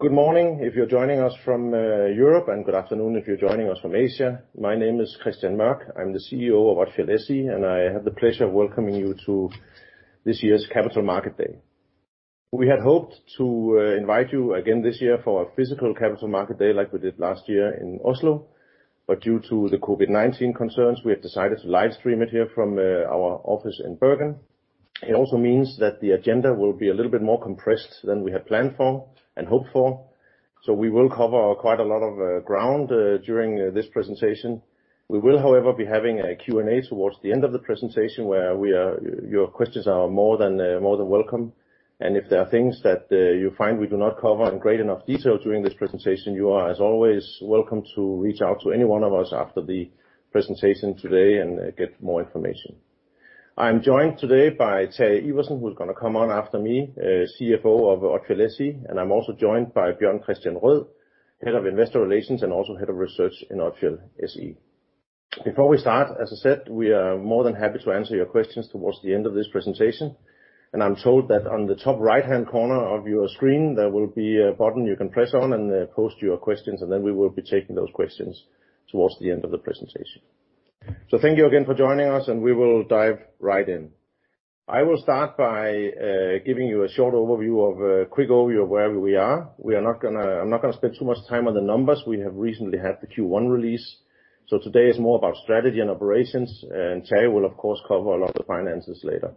Good morning if you're joining us from Europe, and good afternoon if you're joining us from Asia. My name is Kristian Mørch. I'm the CEO of Odfjell SE, and I have the pleasure of welcoming you to this year's Capital Market Day. We had hoped to invite you again this year for a physical Capital Market Day like we did last year in Oslo, but due to the COVID-19 concerns, we have decided to live stream it here from our office in Bergen. It also means that the agenda will be a little bit more compressed than we had planned for and hoped for. We will cover quite a lot of ground during this presentation. We will, however, be having a Q&A towards the end of the presentation where your questions are more than welcome. If there are things that you find we do not cover in great enough detail during this presentation, you are, as always, welcome to reach out to any one of us after the presentation today and get more information. I'm joined today by Terje Iversen, who's going to come on after me, CFO of Odfjell SE. I'm also joined by Bjørn Kristian Røed, Head of Investor Relations and also Head of Research in Odfjell SE. Before we start, as I said, we are more than happy to answer your questions towards the end of this presentation, and I'm told that on the top right-hand corner of your screen, there will be a button you can press on and post your questions, and then we will be taking those questions towards the end of the presentation. Thank you again for joining us, and we will dive right in. I will start by giving you a short overview of where we are. I'm not going to spend too much time on the numbers. We have recently had the Q1 release. Today is more about strategy and operations, and Terje will, of course, cover a lot of the finances later.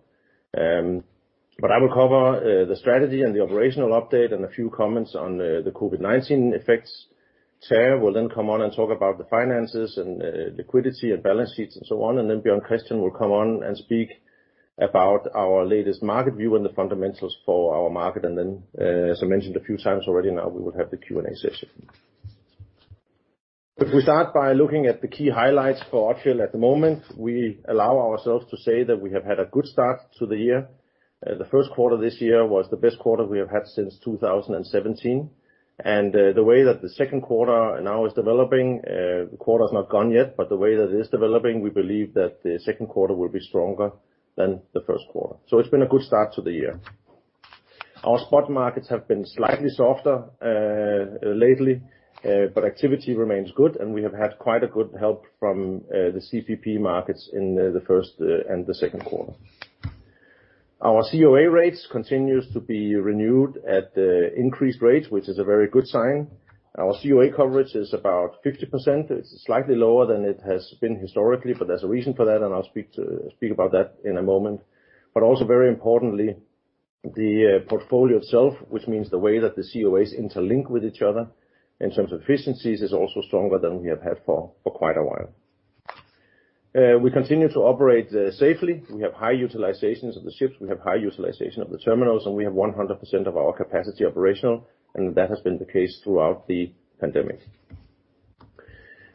I will cover the strategy and the operational update and a few comments on the COVID-19 effects. Terje will then come on and talk about the finances and liquidity and balance sheets and so on. Bjørn Kristian will come on and speak about our latest market view and the fundamentals for our market. As I mentioned a few times already now, we will have the Q&A session. If we start by looking at the key highlights for Odfjell at the moment, we allow ourselves to say that we have had a good start to the year. The first quarter this year was the best quarter we have had since 2017. The way that the second quarter now is developing, the quarter is not gone yet, but the way that it is developing, we believe that the second quarter will be stronger than the first quarter. It's been a good start to the year. Our spot markets have been slightly softer lately, but activity remains good, and we have had quite good help from the CPP markets in the first and the second quarter. Our COA rates continues to be renewed at increased rates, which is a very good sign. Our COA coverage is about 50%. It's slightly lower than it has been historically, there's a reason for that, and I'll speak about that in a moment. Also very importantly, the portfolio itself, which means the way that the COAs interlink with each other in terms of efficiencies, is also stronger than we have had for quite a while. We continue to operate safely. We have high utilizations of the ships, we have high utilization of the terminals, and we have 100% of our capacity operational, and that has been the case throughout the pandemic.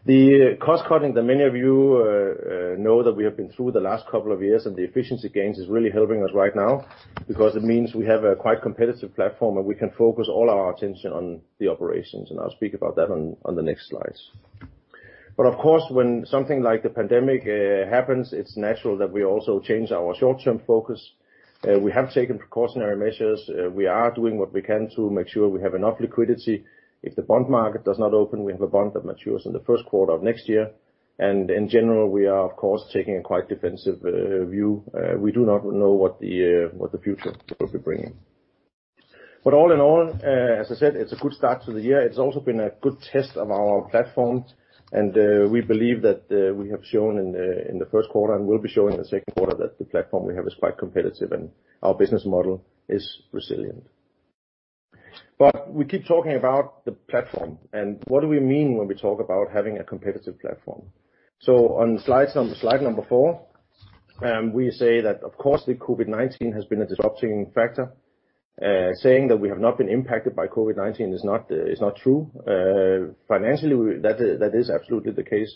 The cost-cutting that many of you know that we have been through the last couple of years and the efficiency gains is really helping us right now because it means we have a quite competitive platform and we can focus all our attention on the operations, and I'll speak about that on the next slides. Of course, when something like the pandemic happens, it's natural that we also change our short-term focus. We have taken precautionary measures. We are doing what we can to make sure we have enough liquidity. If the bond market does not open, we have a bond that matures in the first quarter of next year. In general, we are, of course, taking a quite defensive view. We do not know what the future will be bringing. All in all, as I said, it's a good start to the year. It's also been a good test of our platform, and we believe that we have shown in the first quarter and will be showing in the second quarter that the platform we have is quite competitive and our business model is resilient. We keep talking about the platform, and what do we mean when we talk about having a competitive platform? On slide four, we say that, of course, the COVID-19 has been a disrupting factor. Saying that we have not been impacted by COVID-19 is not true. Financially, that is absolutely the case.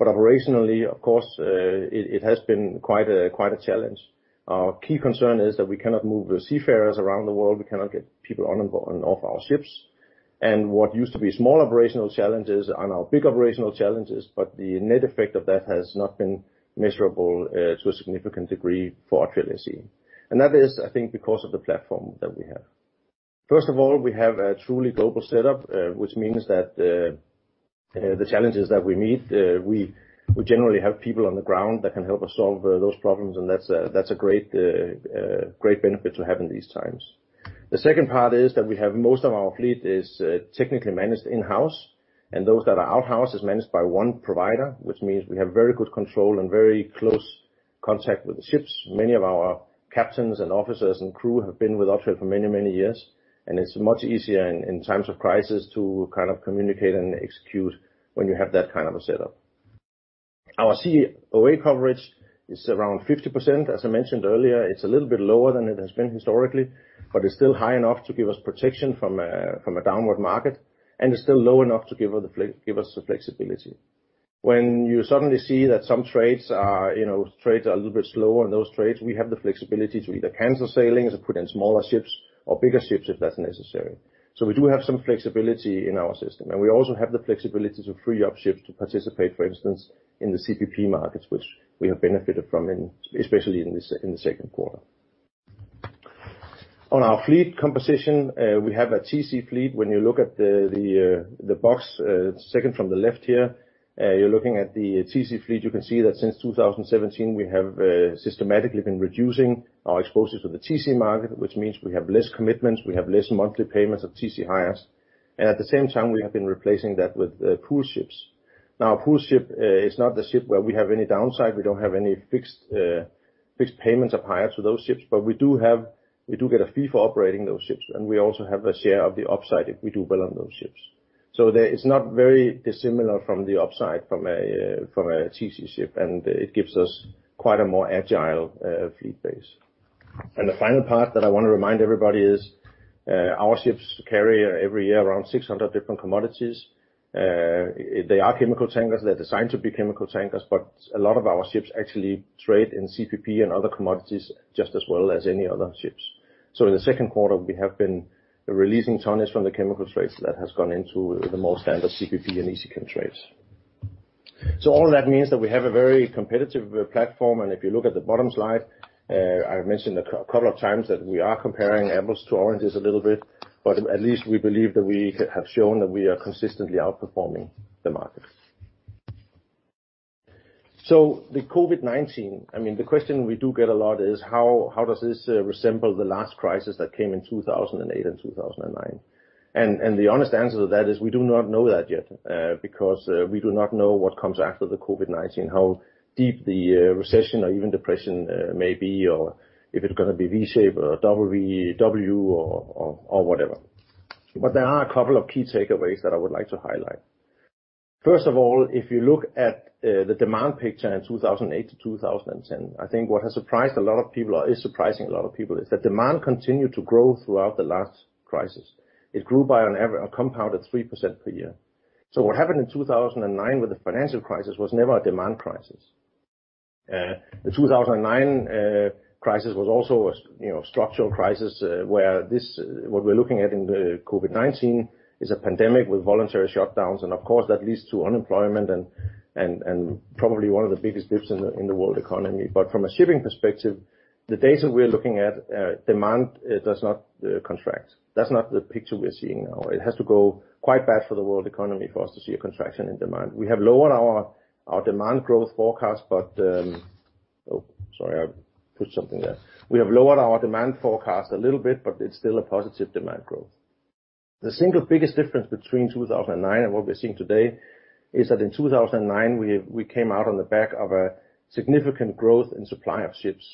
Operationally, of course, it has been quite a challenge. Our key concern is that we cannot move seafarers around the world. We cannot get people on and off our ships. What used to be small operational challenges are now big operational challenges, but the net effect of that has not been measurable to a significant degree for Odfjell SE. That is, I think, because of the platform that we have. First of all, we have a truly global setup, which means that the challenges that we meet, we generally have people on the ground that can help us solve those problems, and that's a great benefit to have in these times. The second part is that we have most of our fleet is technically managed in-house, and those that are out-house is managed by one provider, which means we have very good control and very close contact with the ships. Many of our captains and officers and crew have been with Odfjell for many, many years, and it's much easier in times of crisis to communicate and execute when you have that kind of a setup. Our COA coverage is around 50%, as I mentioned earlier. It's a little bit lower than it has been historically, but it's still high enough to give us protection from a downward market, and it's still low enough to give us the flexibility. When you suddenly see that some trades are a little bit slower in those trades, we have the flexibility to either cancel sailings or put in smaller ships or bigger ships if that's necessary. We do have some flexibility in our system, and we also have the flexibility to free up ships to participate, for instance, in the CPP markets, which we have benefited from, especially in the second quarter. On our fleet composition, we have a TC fleet. When you look at the box second from the left here, you're looking at the TC fleet. You can see that since 2017, we have systematically been reducing our exposure to the TC market, which means we have less commitments, we have less monthly payments of TC hires. At the same time, we have been replacing that with pool ships. Now, a pool ship is not the ship where we have any downside. We don't have any fixed payments up higher to those ships, but we do get a fee for operating those ships, and we also have a share of the upside if we do well on those ships. That is not very dissimilar from the upside from a TC ship, and it gives us quite a more agile fleet base. The final part that I want to remind everybody is our ships carry every year around 600 different commodities. They are chemical tankers. They are designed to be chemical tankers, but a lot of our ships actually trade in CPP and other commodities just as well as any other ships. In the second quarter, we have been releasing tonnage from the chemical trades that has gone into the more standard CPP and easy chem trades. All that means that we have a very competitive platform. If you look at the bottom slide, I mentioned a couple of times that we are comparing apples-to-oranges a little bit, but at least we believe that we have shown that we are consistently outperforming the market. The COVID-19, the question we do get a lot is, how does this resemble the last crisis that came in 2008 and 2009? The honest answer to that is we do not know that yet, because we do not know what comes after the COVID-19, how deep the recession or even depression may be, or if it's going to be V shape or WW or whatever. There are a couple of key takeaways that I would like to highlight. First of all, if you look at the demand picture in 2008-2010, I think what has surprised a lot of people or is surprising a lot of people is that demand continued to grow throughout the last crisis. It grew by a compound of 3% per year. What happened in 2009 with the financial crisis was never a demand crisis. The 2009 crisis was also a structural crisis where what we're looking at in the COVID-19 is a pandemic with voluntary shutdowns. Of course, that leads to unemployment and probably one of the biggest dips in the world economy. From a shipping perspective, the data we're looking at, demand does not contract. That's not the picture we're seeing now. It has to go quite bad for the world economy for us to see a contraction in demand. We have lowered our demand growth forecast. We have lowered our demand forecast a little bit, but it's still a positive demand growth. The single biggest difference between 2009 and what we're seeing today is that in 2009, we came out on the back of a significant growth in supply of ships.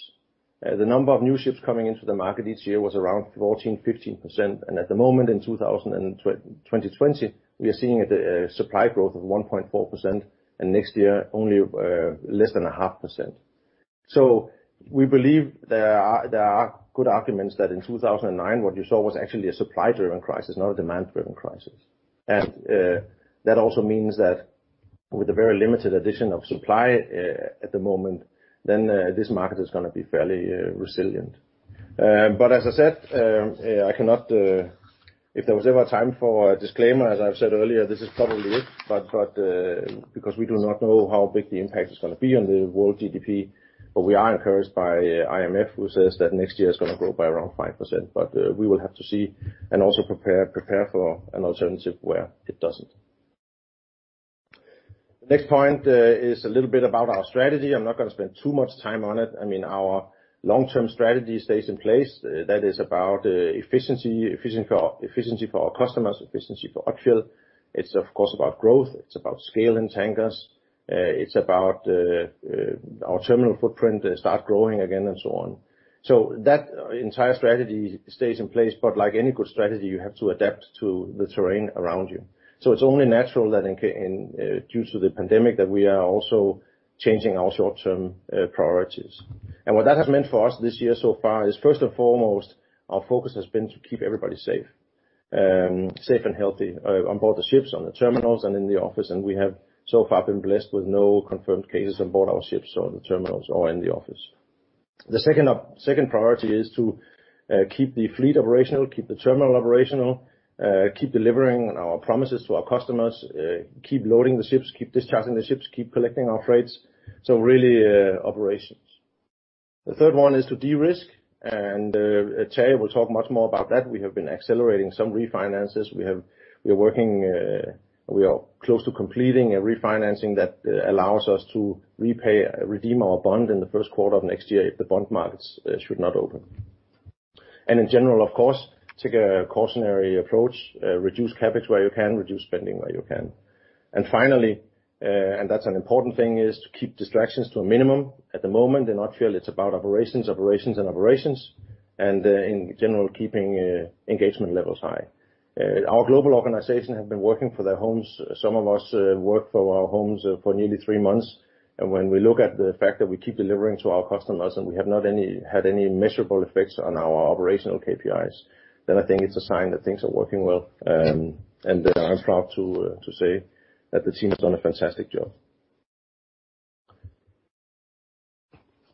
The number of new ships coming into the market each year was around 14%, 15%. At the moment in 2020, we are seeing a supply growth of 1.4% and next year only less than a half %. We believe there are good arguments that in 2009, what you saw was actually a supply driven crisis, not a demand driven crisis. That also means that with a very limited addition of supply at the moment, then this market is going to be fairly resilient. As I said, if there was ever a time for a disclaimer, as I've said earlier, this is probably it, because we do not know how big the impact is going to be on the world GDP. We are encouraged by IMF, who says that next year is going to grow by around 5%, but we will have to see and also prepare for an alternative where it doesn't. The next point is a little bit about our strategy. I'm not going to spend too much time on it. Our long-term strategy stays in place. That is about efficiency for our customers, efficiency for Odfjell. It's of course about growth, it's about scale in tankers. It's about our terminal footprint start growing again, and so on. That entire strategy stays in place, but like any good strategy, you have to adapt to the terrain around you. It's only natural that due to the pandemic, that we are also changing our short-term priorities. What that has meant for us this year so far is, first and foremost, our focus has been to keep everybody safe. Safe and healthy on board the ships, on the terminals and in the office. We have so far been blessed with no confirmed cases on board our ships or the terminals or in the office. The second priority is to keep the fleet operational, keep the terminal operational, keep delivering on our promises to our customers, keep loading the ships, keep discharging the ships, keep collecting our freights. Really, operations. The third one is to de-risk. Terje will talk much more about that. We have been accelerating some refinances. We are close to completing a refinancing that allows us to redeem our bond in the first quarter of next year if the bond markets should not open. In general, of course, take a cautionary approach, reduce CapEx where you can, reduce spending where you can. Finally, and that's an important thing, is to keep distractions to a minimum. At the moment in Odfjell it's about operations, and operations, and in general, keeping engagement levels high. Our global organization have been working from their homes. Some of us work from our homes for nearly three months. When we look at the fact that we keep delivering to our customers and we have not had any measurable effects on our operational KPIs, then I think it's a sign that things are working well. I'm proud to say that the team has done a fantastic job.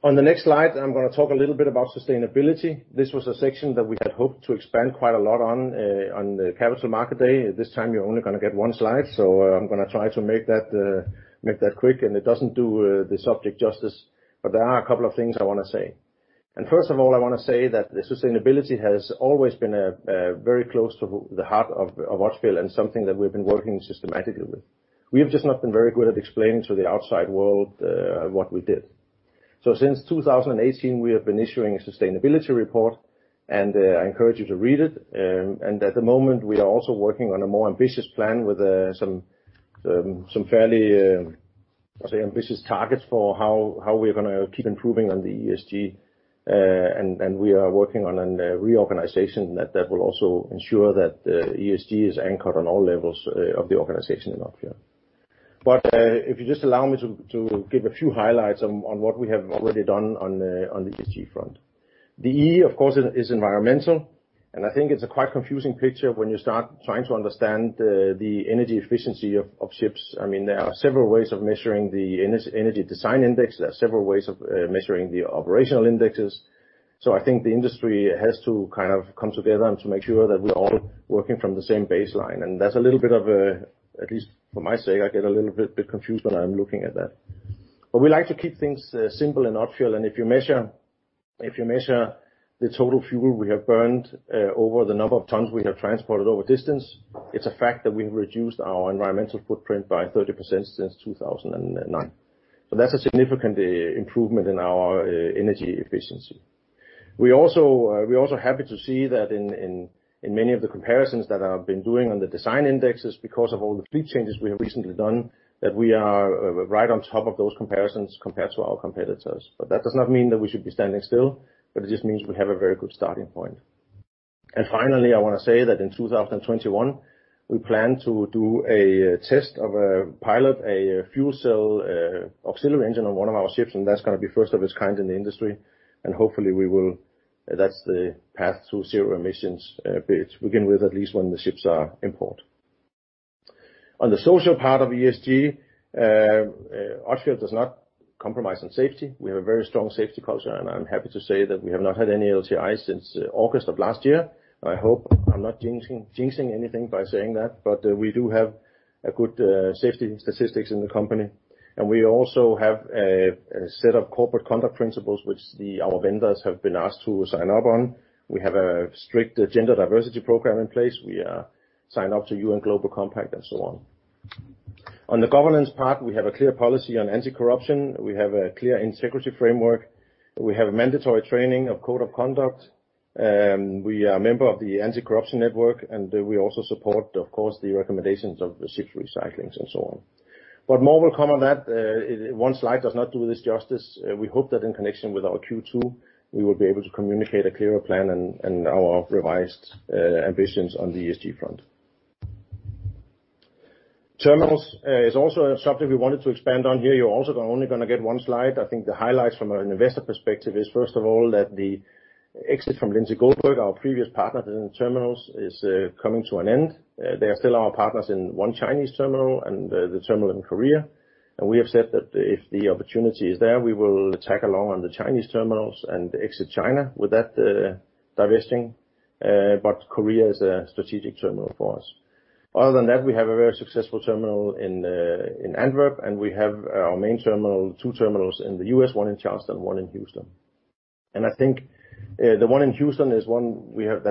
On the next slide, I'm going to talk a little bit about sustainability. This was a section that we had hoped to expand quite a lot on the Capital Market Day. This time you're only going to get one slide. I'm going to try to make that quick and it doesn't do the subject justice. There are a couple of things I want to say. First of all, I want to say that sustainability has always been very close to the heart of Odfjell and something that we've been working systematically with. We have just not been very good at explaining to the outside world what we did. Since 2018, we have been issuing a sustainability report, and I encourage you to read it. At the moment, we are also working on a more ambitious plan with some fairly, let's say, ambitious targets for how we're going to keep improving on the ESG. We are working on a reorganization that will also ensure that ESG is anchored on all levels of the organization in Odfjell. If you just allow me to give a few highlights on what we have already done on the ESG front. The E, of course, is environmental, and I think it's a quite confusing picture when you start trying to understand the energy efficiency of ships. There are several ways of measuring the energy design index. There are several ways of measuring the operational indexes. I think the industry has to come together and to make sure that we're all working from the same baseline. That's a little bit of a, at least from my sake, I get a little bit confused when I'm looking at that. We like to keep things simple in Odfjell, and if you measure the total fuel we have burned over the number of tons we have transported over distance, it's a fact that we've reduced our environmental footprint by 30% since 2009. That's a significant improvement in our energy efficiency. We're also happy to see that in many of the comparisons that I've been doing on the design indexes, because of all the fleet changes we have recently done, that we are right on top of those comparisons compared to our competitors. That does not mean that we should be standing still, but it just means we have a very good starting point. Finally, I want to say that in 2021, we plan to do a test of a pilot, a fuel cell auxiliary engine on one of our ships, and that's going to be first of its kind in the industry. Hopefully, that's the path to zero emissions, to begin with at least when the ships are in port. On the social part of ESG, Odfjell does not compromise on safety. We have a very strong safety culture, and I'm happy to say that we have not had any LTIs since August of last year. I hope I'm not jinxing anything by saying that, but we do have a good safety statistics in the company. We also have a set of corporate conduct principles which our vendors have been asked to sign up on. We have a strict gender diversity program in place. We are signed up to UN Global Compact and so on. On the governance part, we have a clear policy on anti-corruption. We have a clear integrity framework. We have a mandatory training of code of conduct. We are a member of the Anti-Corruption Network, and we also support, of course, the recommendations of the ship recyclings and so on. More will come on that. One slide does not do this justice. We hope that in connection with our Q2, we will be able to communicate a clearer plan and our revised ambitions on the ESG front. Terminals is also a subject we wanted to expand on here. You're also only going to get one slide. I think the highlights from an investor perspective is, first of all, that the exit from Lindsay Goldberg, our previous partner in terminals, is coming to an end. They are still our partners in one Chinese terminal and the terminal in Korea. We have said that if the opportunity is there, we will tag along on the Chinese terminals and exit China with that divesting. Korea is a strategic terminal for us. Other than that, we have a very successful terminal in Antwerp, and we have our main terminal, two terminals in the U.S., one in Charleston, one in Houston. I think the one in Houston is one we have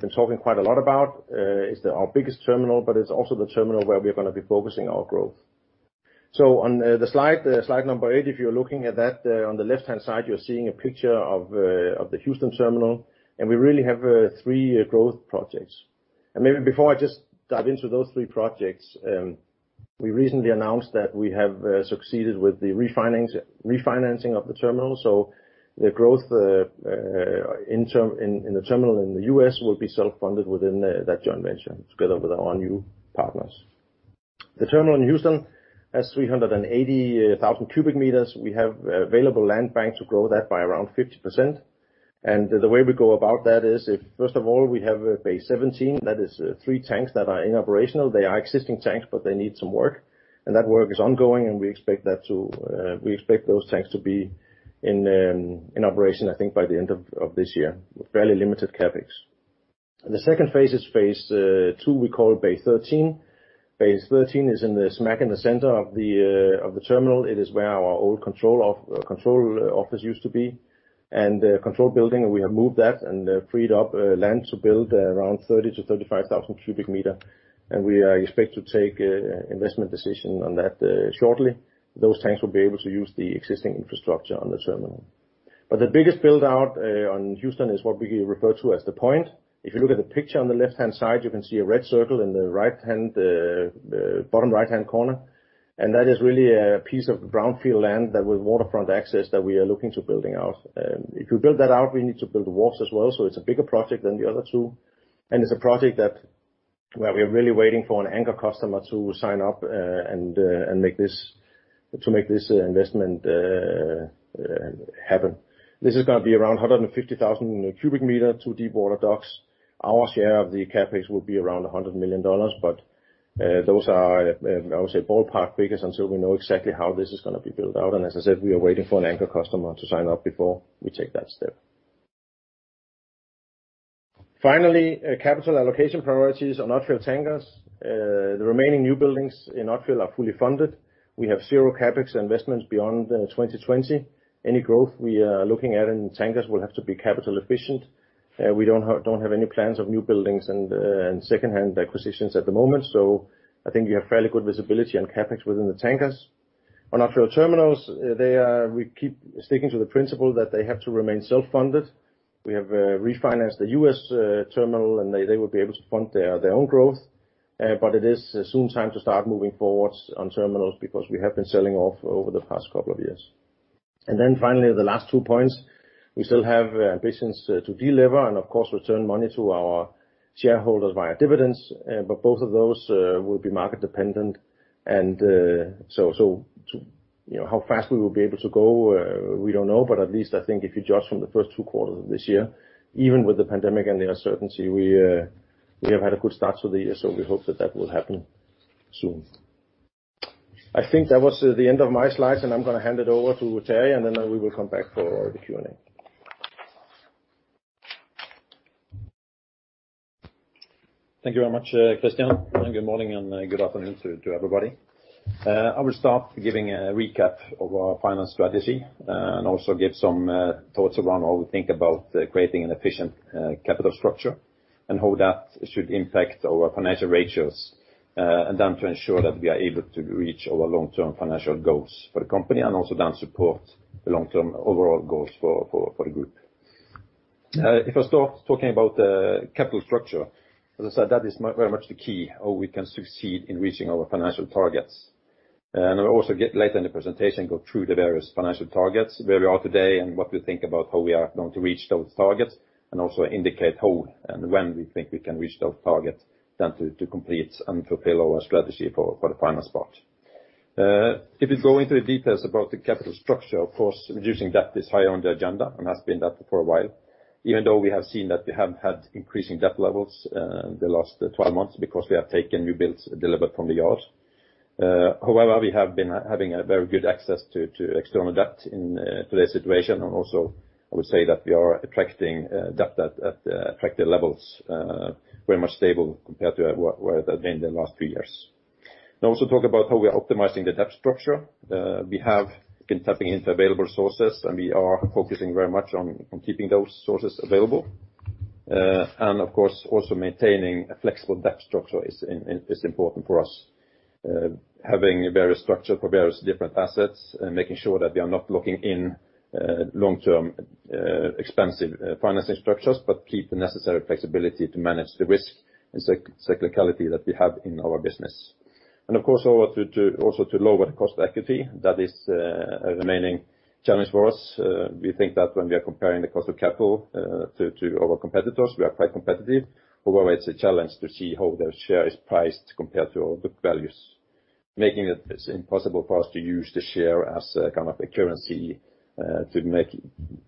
been talking quite a lot about. It's our biggest terminal, but it's also the terminal where we're going to be focusing our growth. On the slide number eight, if you're looking at that, on the left-hand side, you're seeing a picture of the Houston terminal, and we really have three growth projects. Maybe before I just dive into those three projects, we recently announced that we have succeeded with the refinancing of the terminal. The growth in the terminal in the U.S. will be self-funded within that joint venture together with our new partners. The terminal in Houston has 380,000 cu m. We have available land bank to grow that by around 50%. The way we go about that is, first of all, we have Bay 17, that is three tanks that are inoperational. They are existing tanks, they need some work. That work is ongoing, and we expect those tanks to be in operation, I think by the end of this year, with fairly limited CapEx. The second phase is phase II, we call Bay 13. Bay 13 is smack in the center of the terminal. It is where our old control office used to be. The control building, we have moved that and freed up land to build around 30,000 cu m-35,000 cu m. We expect to take investment decision on that shortly. Those tanks will be able to use the existing infrastructure on the terminal. The biggest build-out on Houston is what we refer to as The Point. If you look at the picture on the left-hand side, you can see a red circle in the bottom right-hand corner. That is really a piece of brownfield land that with waterfront access that we are looking to building out. If we build that out, we need to build the wharfs as well, so it's a bigger project than the other two. It's a project where we are really waiting for an anchor customer to sign up to make this investment happen. This is going to be around 150,000 cu m, two deep water docks. Our share of the CapEx will be around $100 million. Those are, I would say, ballpark figures until we know exactly how this is going to be built out. As I said, we are waiting for an anchor customer to sign up before we take that step. Finally, capital allocation priorities on Odfjell Tankers. The remaining new buildings in Odfjell are fully funded. We have zero CapEx investments beyond 2020. Any growth we are looking at in Tankers will have to be capital efficient. We don't have any plans of new buildings and secondhand acquisitions at the moment. I think we have fairly good visibility on CapEx within the Tankers. On Odfjell Terminals, we keep sticking to the principle that they have to remain self-funded. We have refinanced the U.S. terminal, and they will be able to fund their own growth. It is soon time to start moving forwards on terminals because we have been selling off over the past couple of years. Then finally, the last two points, we still have ambitions to deliver and of course return money to our shareholders via dividends. Both of those will be market dependent. So how fast we will be able to go, we don't know, but at least I think if you judge from the first two quarters of this year, even with the pandemic and the uncertainty, we have had a good start to the year. We hope that will happen soon. I think that was the end of my slides, and I'm going to hand it over to Terje, and then we will come back for the Q&A. Thank you very much, Kristian. Good morning and good afternoon to everybody. I will start giving a recap of our finance strategy and also give some thoughts around how we think about creating an efficient capital structure and how that should impact our financial ratios. To ensure that we are able to reach our long-term financial goals for the company and also then support the long-term overall goals for the group. If I start talking about the capital structure, as I said, that is very much the key how we can succeed in reaching our financial targets. I will also get later in the presentation, go through the various financial targets, where we are today and what we think about how we are going to reach those targets and also indicate how and when we think we can reach those targets then to complete and fulfill our strategy for the final spot. If you go into the details about the capital structure, of course, reducing debt is high on the agenda and has been that for a while. Even though we have seen that we have had increasing debt levels, the last 12 months because we have taken new builds delivered from the yard. However, we have been having a very good access to external debt in today's situation. Also I would say that we are attracting debt at attractive levels, very much stable compared to where they've been the last three years. I will also talk about how we are optimizing the debt structure. We have been tapping into available sources, and we are focusing very much on keeping those sources available. Of course, also maintaining a flexible debt structure is important for us. Having various structure for various different assets and making sure that we are not locking in long-term expensive financing structures, but keep the necessary flexibility to manage the risk and cyclicality that we have in our business. Of course, also to lower the cost of equity, that is a remaining challenge for us. We think that when we are comparing the cost of capital to our competitors, we are quite competitive. However, it's a challenge to see how their share is priced compared to all the values, making it impossible for us to use the share as a kind of a currency to make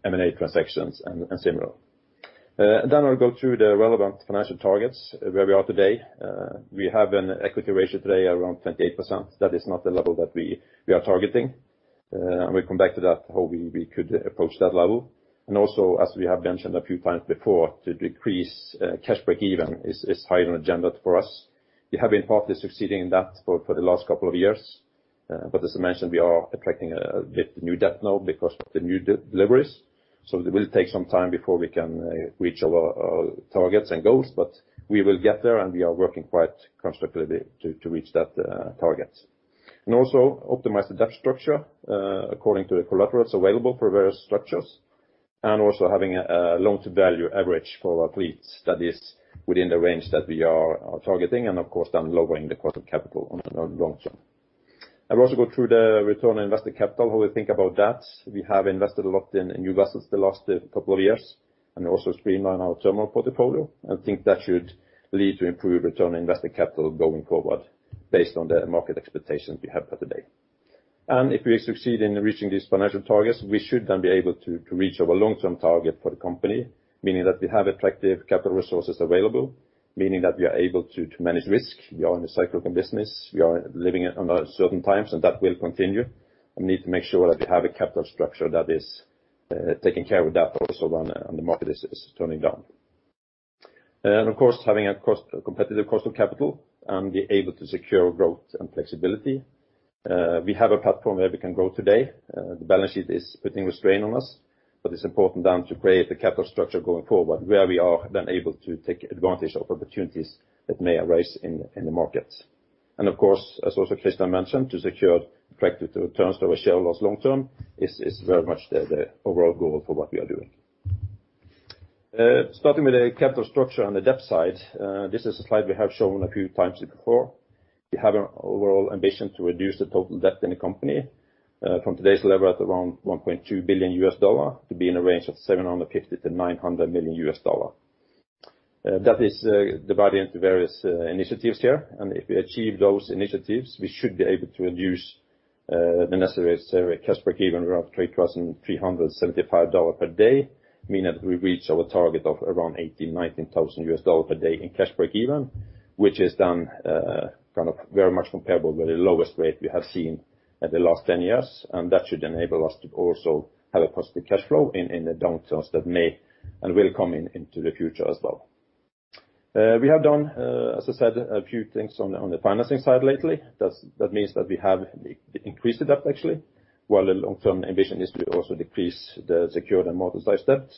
M&A transactions and similar. I'll go through the relevant financial targets, where we are today. We have an equity ratio today around 28%. That is not the level that we are targeting. We come back to that, how we could approach that level. Also, as we have mentioned a few times before, to decrease cash breakeven is high on agenda for us. We have been partly succeeding in that for the last couple of years. As I mentioned, we are attracting a bit new debt now because of the new deliveries. It will take some time before we can reach our targets and goals, but we will get there and we are working quite constructively to reach that target. Also optimize the debt structure, according to the collaterals available for various structures, and also having a loan-to-value average for our fleets that is within the range that we are targeting, and of course then lowering the cost of capital on the long term. I will also go through the return on invested capital, how we think about that. We have invested a lot in new vessels the last couple of years, and also streamline our terminal portfolio. I think that should lead to improved return on invested capital going forward based on the market expectations we have for today. If we succeed in reaching these financial targets, we should then be able to reach our long-term target for the company, meaning that we have attractive capital resources available, meaning that we are able to manage risk. We are in a cyclical business. We are living under certain times, and that will continue. We need to make sure that we have a capital structure that is taking care of that also when the market is turning down. Of course, having a competitive cost of capital and be able to secure growth and flexibility. We have a platform where we can grow today. The balance sheet is putting restraint on us, but it's important then to create the capital structure going forward where we are then able to take advantage of opportunities that may arise in the market. Of course, as also Kristian mentioned, to secure attractive returns for our shareholders long term is very much the overall goal for what we are doing. Starting with the capital structure on the debt side. This is a slide we have shown a few times before. We have an overall ambition to reduce the total debt in the company from today's level at around $1.2 billion to be in a range of $750 million-$900 million. That is divided into various initiatives here. If we achieve those initiatives, we should be able to reduce the necessary cash breakeven around $3,375 per day, meaning that we reach our target of around $18,000-$19,000 per day in cash breakeven, which is then kind of very much comparable with the lowest rate we have seen at the last 10 years. That should enable us to also have a positive cash flow in the downturns that may and will come into the future as well. We have done, as I said, a few things on the financing side lately. That means that we have increased the debt actually, while the long-term ambition is to also decrease the secured amortized debt.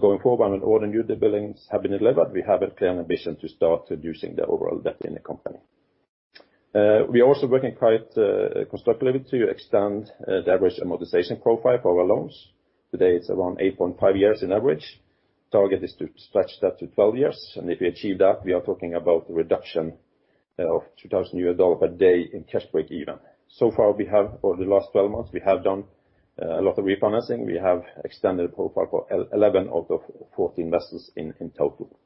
Going forward, when all the newbuildings have been delivered, we have a clear ambition to start reducing the overall debt in the company. We are also working quite constructively to extend the average amortization profile for our loans. Today, it's around 8.5 years on average. Target is to stretch that to 12 years. If we achieve that, we are talking about a reduction of $2,000 per day in cash breakeven. So far, for the last 12 months, we have done a lot of refinancing. We have extended the profile for 11 out of 14 vessels in total.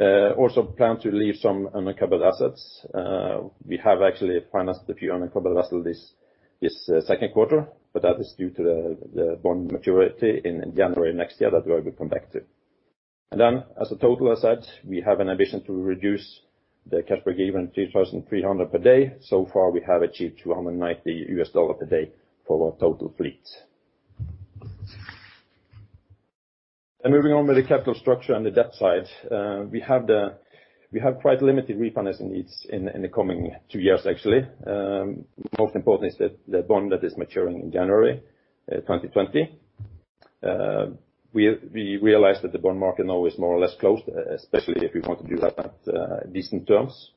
Also plan to leave some unencumbered assets. We have actually financed a few unencumbered vessels this second quarter, but that is due to the bond maturity in January next year that I will come back to. Then, as a total asset, we have an ambition to reduce the cash breakeven $3,300 per day. So far, we have achieved $290 per day for our total fleet. Moving on with the capital structure and the debt side. We have quite limited refinancing needs in the coming two years actually. Most important is the bond that is maturing in January 2020. We realized that the bond market now is more or less closed, especially if we want to do that at decent terms,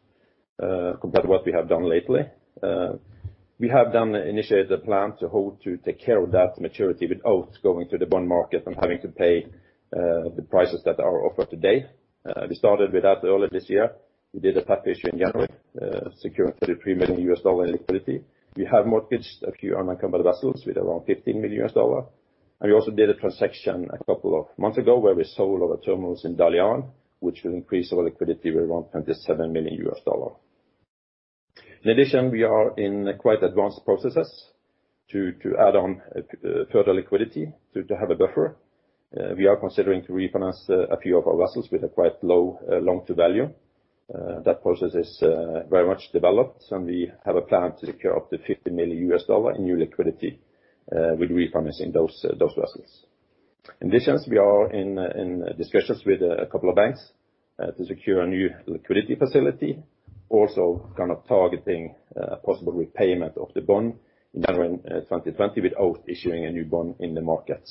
compared to what we have done lately. We have initiated a plan to take care of that maturity without going to the bond market and having to pay the prices that are offered today. We started with that early this year. We did a tap issue in January, securing $33 million in liquidity. We have mortgaged a few unencumbered vessels with around $15 million. We also did a transaction a couple of months ago where we sold all the terminals in Dalian, which will increase our liquidity by around $27 million. In addition, we are in quite advanced processes to add on further liquidity to have a buffer. We are considering to refinance a few of our vessels with a quite low loan-to-value. That process is very much developed, and we have a plan to secure up to $50 million in new liquidity with refinancing those vessels. In addition, we are in discussions with a couple of banks to secure a new liquidity facility, also kind of targeting a possible repayment of the bond in January 2020 without issuing a new bond in the market.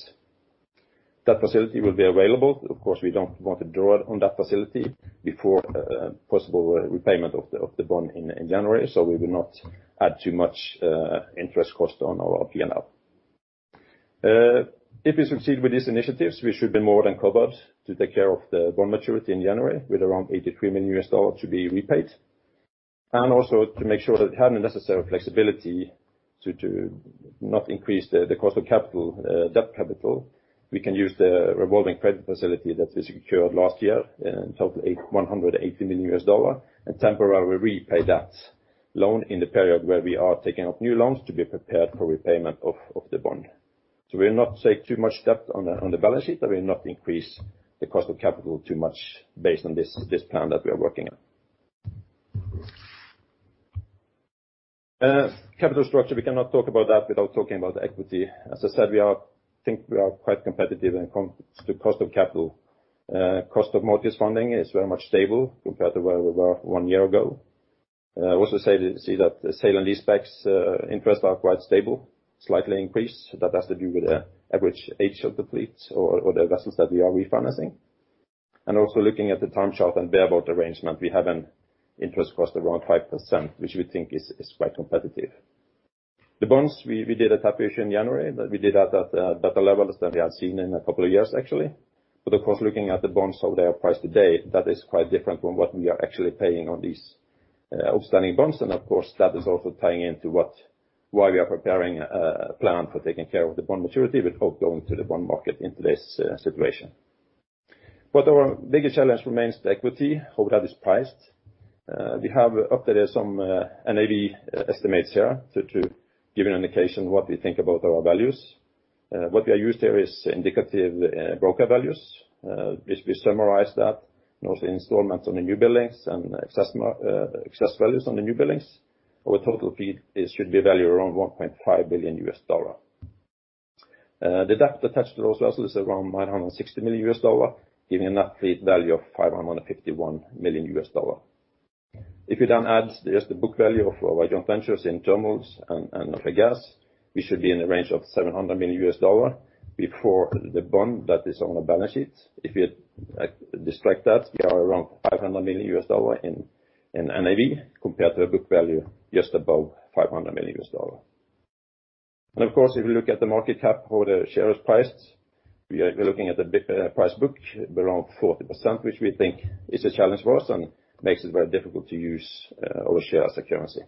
That facility will be available. Of course, we don't want to draw on that facility before possible repayment of the bond in January, so we will not add too much interest cost on our P&L. If we succeed with these initiatives, we should be more than covered to take care of the bond maturity in January with around $83 million to be repaid. Also to make sure that we have the necessary flexibility to not increase the cost of capital, debt capital. We can use the revolving credit facility that we secured last year in total $118 million, and temporarily repay that loan in the period where we are taking up new loans to be prepared for repayment of the bond. We will not take too much debt on the balance sheet, and we will not increase the cost of capital too much based on this plan that we are working on. Capital structure, we cannot talk about that without talking about equity. As I said, we think we are quite competitive in terms of the cost of capital. Cost of mortgage funding is very much stable compared to where we were one year ago. I also see that the sale and leasebacks interest are quite stable, slightly increased. That has to do with the average age of the fleet or the vessels that we are refinancing. Also looking at the time charter and bareboat arrangement, we have an interest cost around 5%, which we think is quite competitive. The bonds, we did a tap issue in January. We did that at better levels than we had seen in a couple of years actually. Of course, looking at the bonds, how they are priced today, that is quite different from what we are actually paying on these outstanding bonds. Of course, that is also tying into why we are preparing a plan for taking care of the bond maturity without going to the bond market in today's situation. Our biggest challenge remains the equity, how that is priced. We have updated some NAV estimates here to give an indication what we think about our values. What we have used here is indicative broker values, which we summarize that. Also installments on the new buildings and excess values on the new buildings. Our total fleet should be valued around $1.5 billion. The debt attached to those vessels is around $960 million, giving a net fleet value of $551 million. If you add just the book value of our joint ventures in Odfjell Terminals and Odfjell Gas, we should be in the range of $700 million before the bond that is on the balance sheet. If you distract that, we are around $500 million in NAV compared to a book value just above $500 million. Of course, if you look at the market cap, how the share is priced, we are looking at the price book around 40%, which we think is a challenge for us and makes it very difficult to use our share as a currency.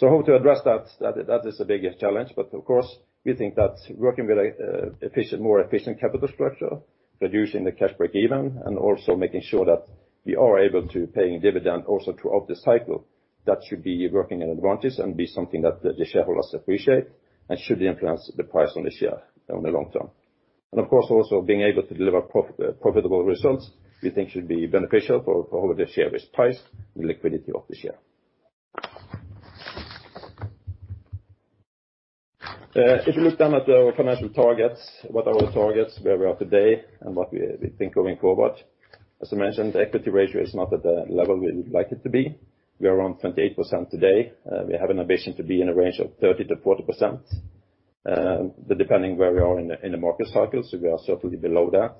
How to address that? That is the biggest challenge. Of course, we think that working with a more efficient capital structure, reducing the cash breakeven, and also making sure that we are able to pay dividend also throughout the cycle. That should be working in advantage and be something that the shareholders appreciate and should influence the price on the share in the long term. Of course, also being able to deliver profitable results we think should be beneficial for how the share is priced and liquidity of the share. If you look then at our financial targets, what are our targets, where we are today, and what we think going forward. As I mentioned, the equity ratio is not at the level we would like it to be. We are around 28% today. We have an ambition to be in a range of 30%-40%. Depending where we are in the market cycles, we are certainly below that.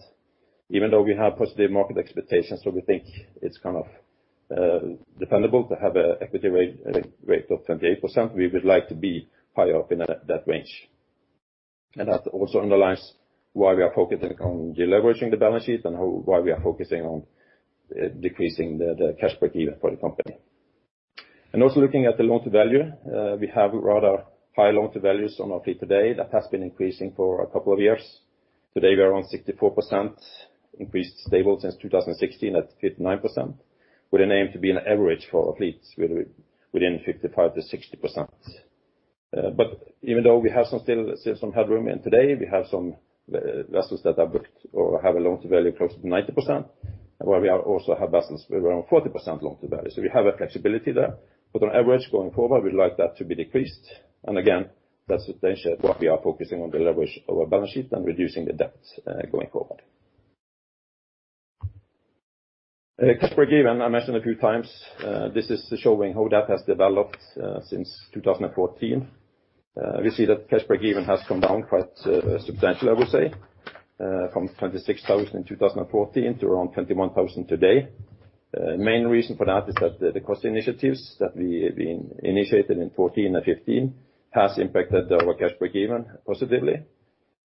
Even though we have positive market expectations, so we think it's kind of dependable to have an equity rate of 28%, we would like to be higher up in that range. That also underlines why we are focusing on deleveraging the balance sheet and why we are focusing on decreasing the cash breakeven for the company. Also looking at the loan-to-value, we have rather high loan-to-values on our fleet today that has been increasing for a couple of years. Today, we are on 64%, increased stable since 2016 at 59%, with an aim to be an average for our fleets within 55%-60%. Even though we have still some headroom in today, we have some vessels that are booked or have a loan-to-value close to 90%, where we also have vessels with around 40% loan-to-value. We have a flexibility there, but on average, going forward, we'd like that to be decreased. Again, that's essentially what we are focusing on, the leverage of our balance sheet and reducing the debt going forward. Cash breakeven, I mentioned a few times. This is showing how that has developed since 2014. We see that cash breakeven has come down quite substantially, I would say, from $26,000 in 2014 to around $21,000 today. Main reason for that is that the cost initiatives that we initiated in 2014 and 2015 has impacted our cash breakeven positively.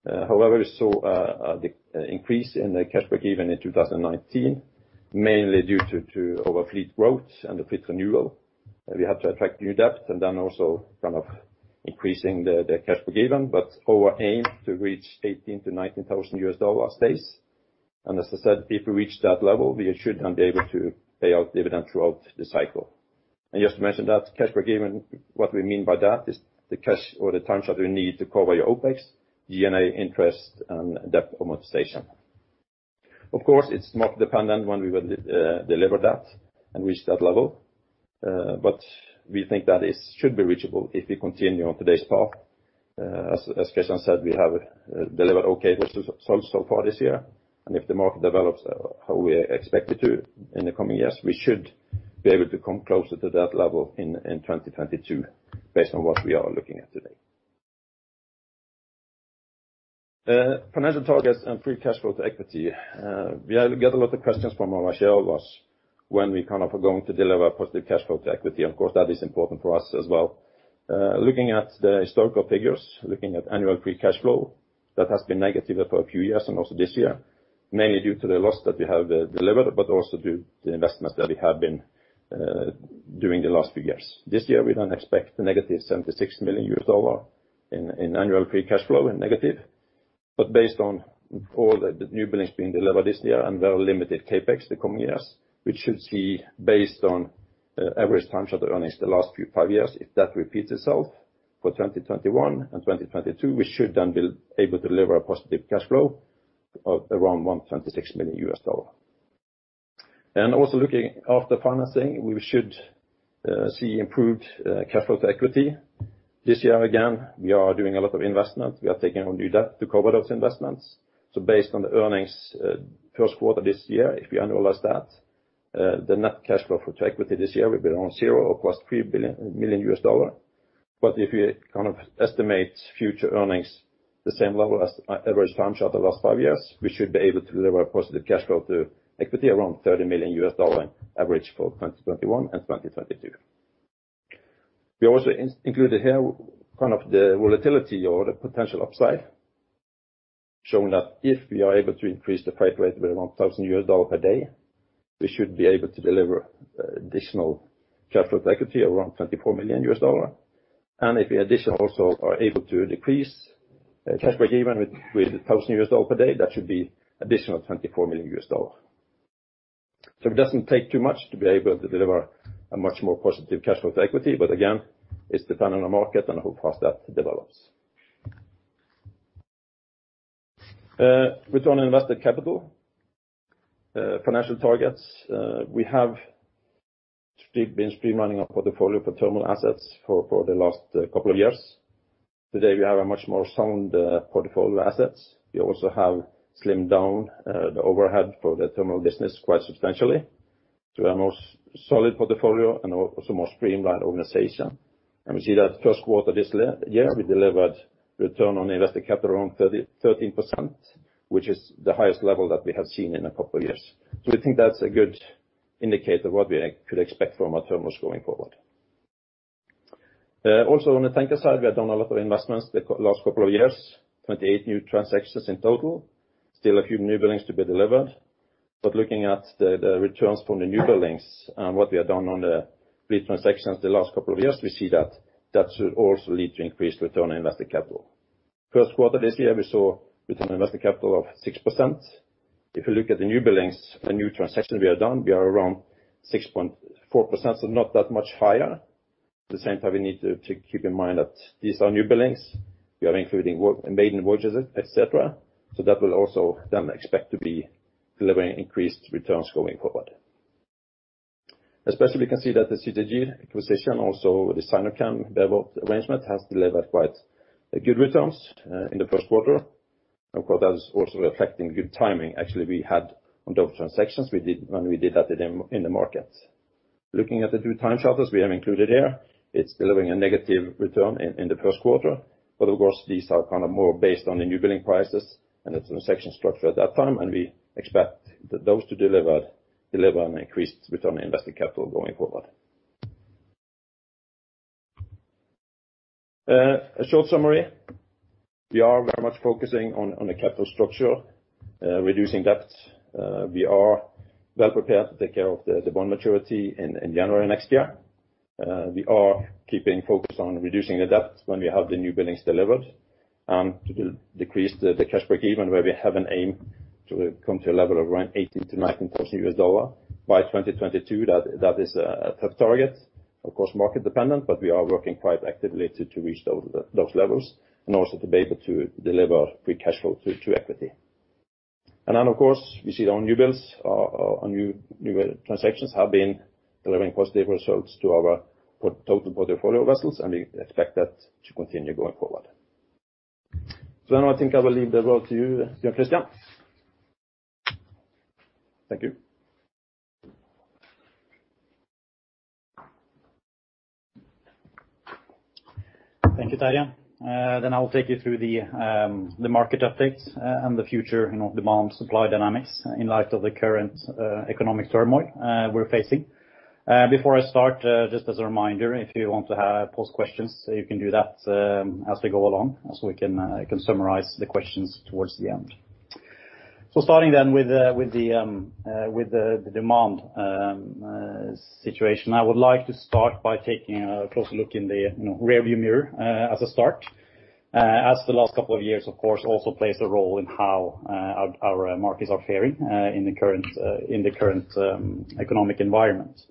However, we saw an increase in the cash breakeven in 2019, mainly due to our fleet growth and the fleet renewal. We had to attract new debt also kind of increasing the cash breakeven. Our aim to reach $18,000-$19,000 stays. As I said, if we reach that level, we should then be able to pay out dividend throughout the cycle. Just to mention that cash breakeven, what we mean by that is the cash or the time that you need to cover your OPEX, G&A interest and debt amortization. Of course, it's market dependent when we will deliver that and reach that level. We think that it should be reachable if we continue on today's path. As Christian said, we have delivered okay so far this year. If the market develops how we expect it to in the coming years, we should be able to come closer to that level in 2022 based on what we are looking at today. Financial targets and free cash flow to equity. We get a lot of questions from our shareholders when we are going to deliver positive cash flow to equity. Of course, that is important for us as well. Looking at the historical figures, looking at annual free cash flow, that has been negative for a few years and also this year, mainly due to the loss that we have delivered, but also due to the investments that we have been doing the last few years. This year, we then expect negative $76 million in annual free cash flow in negative. Based on all the newbuildings being delivered this year and very limited CapEx the coming years, we should see based on average time earnings the last five years, if that repeats itself for 2021 and 2022, we should then be able to deliver a positive cash flow of around $126 million. Also looking after financing, we should see improved cash flow to equity. This year, again, we are doing a lot of investment. We are taking on new debt to cover those investments. Based on the earnings first quarter this year, if we annualize that, the net cash flow to equity this year will be around $0 or +$3 million. If we estimate future earnings the same level as average time charter the last five years, we should be able to deliver a positive cash flow to equity around $30 million average for 2021 and 2022. We also included here the volatility or the potential upside, showing that if we are able to increase the TC rate with $1,000 per day, we should be able to deliver additional cash flow to equity around $24 million. If we additionally also are able to decrease cash breakeven with $1,000 per day, that should be additional $24 million. It doesn't take too much to be able to deliver a much more positive cash flow to equity. Again, it's dependent on the market and how fast that develops. Return on invested capital. Financial targets. We have been streamlining our portfolio for terminal assets for the last couple of years. Today, we have a much more sound portfolio assets. We also have slimmed down the overhead for the terminal business quite substantially to a more solid portfolio and also more streamlined organization. We see that first quarter this year, we delivered return on invested capital around 13%, which is the highest level that we have seen in a couple of years. We think that's a good indicator what we could expect from our terminals going forward. Also on the tanker side, we have done a lot of investments the last couple of years, 28 new transactions in total. Still a few newbuildings to be delivered. Looking at the returns from the newbuildings and what we have done on the fleet transactions the last couple of years, we see that that should also lead to increased return on invested capital. First quarter this year, we saw return on invested capital of 6%. If you look at the newbuildings and new transactions we have done, we are around 6.4%, not that much higher. At the same time, we need to keep in mind that these are newbuildings. We are including maiden voyages, et cetera, that will also then expect to be delivering increased returns going forward. Especially, we can see that the CTG acquisition, also the Sinochem Bareboat arrangement, has delivered quite good returns in the first quarter. Of course, that is also reflecting good timing. Actually, we had on those transactions when we did that in the market. Looking at the new time charters we have included here, it's delivering a negative return in the first quarter. Of course, these are more based on the newbuilding prices and the transaction structure at that time, and we expect those to deliver an increased return on invested capital going forward. A short summary. We are very much focusing on the capital structure, reducing debt. We are well prepared to take care of the bond maturity in January next year. We are keeping focus on reducing the debt when we have the newbuildings delivered to decrease the cash breakeven, where we have an aim to come to a level of around $80 million-$90 million by 2022. That is a tough target. Of course, market dependent, but we are working quite actively to reach those levels and also to be able to deliver free cash flow to equity. Of course, we see our new builds, our new transactions have been delivering positive results to our total portfolio vessels, and we expect that to continue going forward. Now I think I will leave the road to you, Kristian. Thank you. Thank you, Terje. I will take you through the market updates and the future demand supply dynamics in light of the current economic turmoil we're facing. Before I start, just as a reminder, if you want to pose questions, you can do that as we go along, we can summarize the questions towards the end. Starting with the demand situation. I would like to start by taking a closer look in the rear-view mirror as a start, as the last couple of years, of course, also plays a role in how our markets are faring in the current economic environment.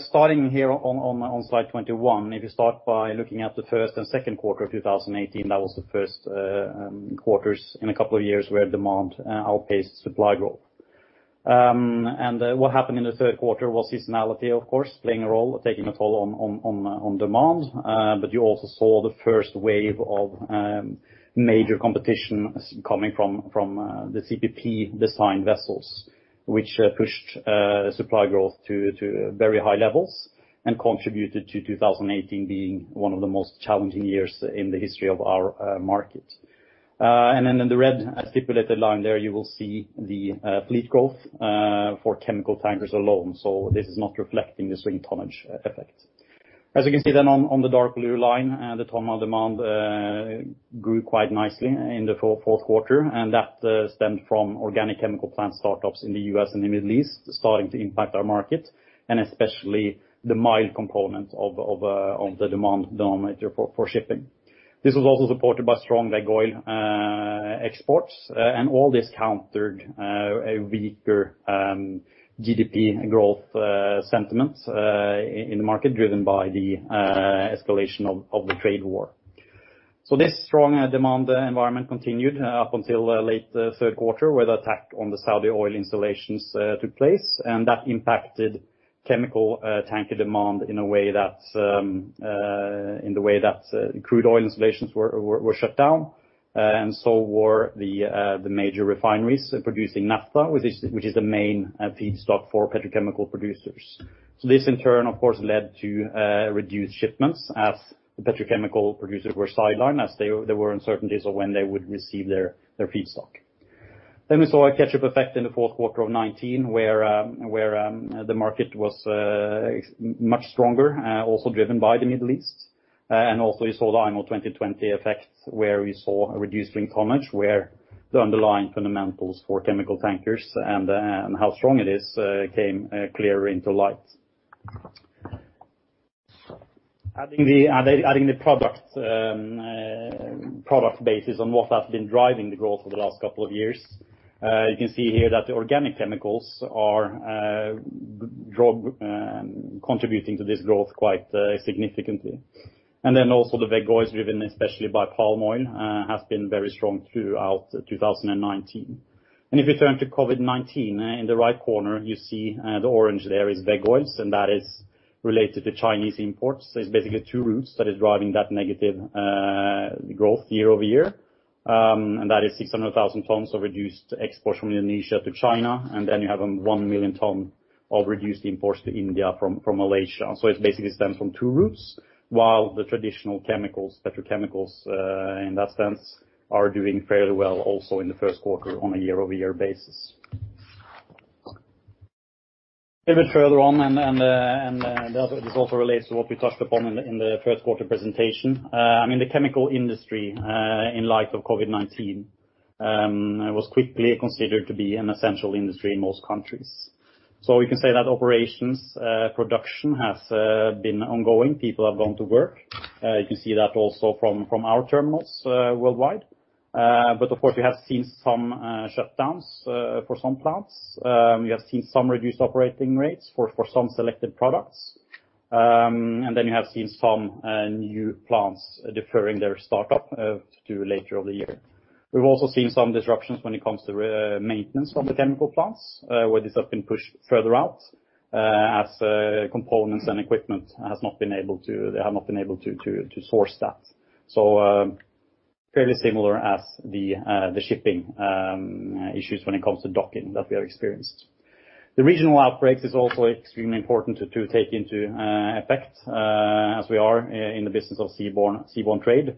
Starting here on slide 21, if you start by looking at the first and second quarter of 2018, that was the first quarters in a couple of years where demand outpaced supply growth. What happened in the third quarter was seasonality, of course, playing a role, taking a toll on demand. You also saw the first wave of major competition coming from the CPP design vessels, which pushed supply growth to very high levels and contributed to 2018 being one of the most challenging years in the history of our market. In the red stipulated line there, you will see the fleet growth for chemical tankers alone. This is not reflecting the swing tonnage effect. As you can see then on the dark blue line, the ton-milel demand grew quite nicely in the fourth quarter, and that stemmed from organic chemical plant startups in the U.S. and the Middle East starting to impact our market, and especially the mild component of the demand denominator for shipping. This was also supported by strong veg-oil exports, all this countered a weaker GDP growth sentiment in the market driven by the escalation of the trade war. This strong demand environment continued up until late third quarter, where the attack on the Saudi oil installations took place, that impacted chemical tanker demand in the way that crude oil installations were shut down, so were the major refineries producing naphtha, which is the main feedstock for petrochemical producers. This in turn, of course, led to reduced shipments as the petrochemical producers were sidelined, as there were uncertainties of when they would receive their feedstock. We saw a catch-up effect in the fourth quarter of 2019 where the market was much stronger, also driven by the Middle East. Also you saw the IMO 2020 effect where we saw a reduced swing tonnage, where the underlying fundamentals for chemical tankers and how strong it is came clearer into light. Adding the product bases on what has been driving the growth for the last couple of years. You can see here that the organic chemicals are contributing to this growth quite significantly. Also the veg oils, driven especially by palm oil, has been very strong throughout 2019. If you turn to COVID-19, in the right corner, you see the orange there is veg oils, and that is related to Chinese imports. There's basically two routes that is driving that negative growth year-over-year, and that is 600,000 tons of reduced exports from Indonesia to China. You have 1 million tons of reduced imports to India from Malaysia. It basically stems from two routes, while the traditional chemicals, petrochemicals in that sense, are doing fairly well also in the first quarter on a year-over-year basis. A bit further on, this also relates to what we touched upon in the first quarter presentation. I mean, the chemical industry, in light of COVID-19, was quickly considered to be an essential industry in most countries. We can say that operations production has been ongoing. People have gone to work. You can see that also from our terminals worldwide. Of course, we have seen some shutdowns for some plants. We have seen some reduced operating rates for some selected products. You have seen some new plants deferring their startup to later of the year. We've also seen some disruptions when it comes to maintenance of the chemical plants, where these have been pushed further out as components and equipment, they have not been able to source that. Fairly similar as the shipping issues when it comes to docking that we have experienced. The regional outbreaks is also extremely important to take into effect, as we are in the business of seaborne trade.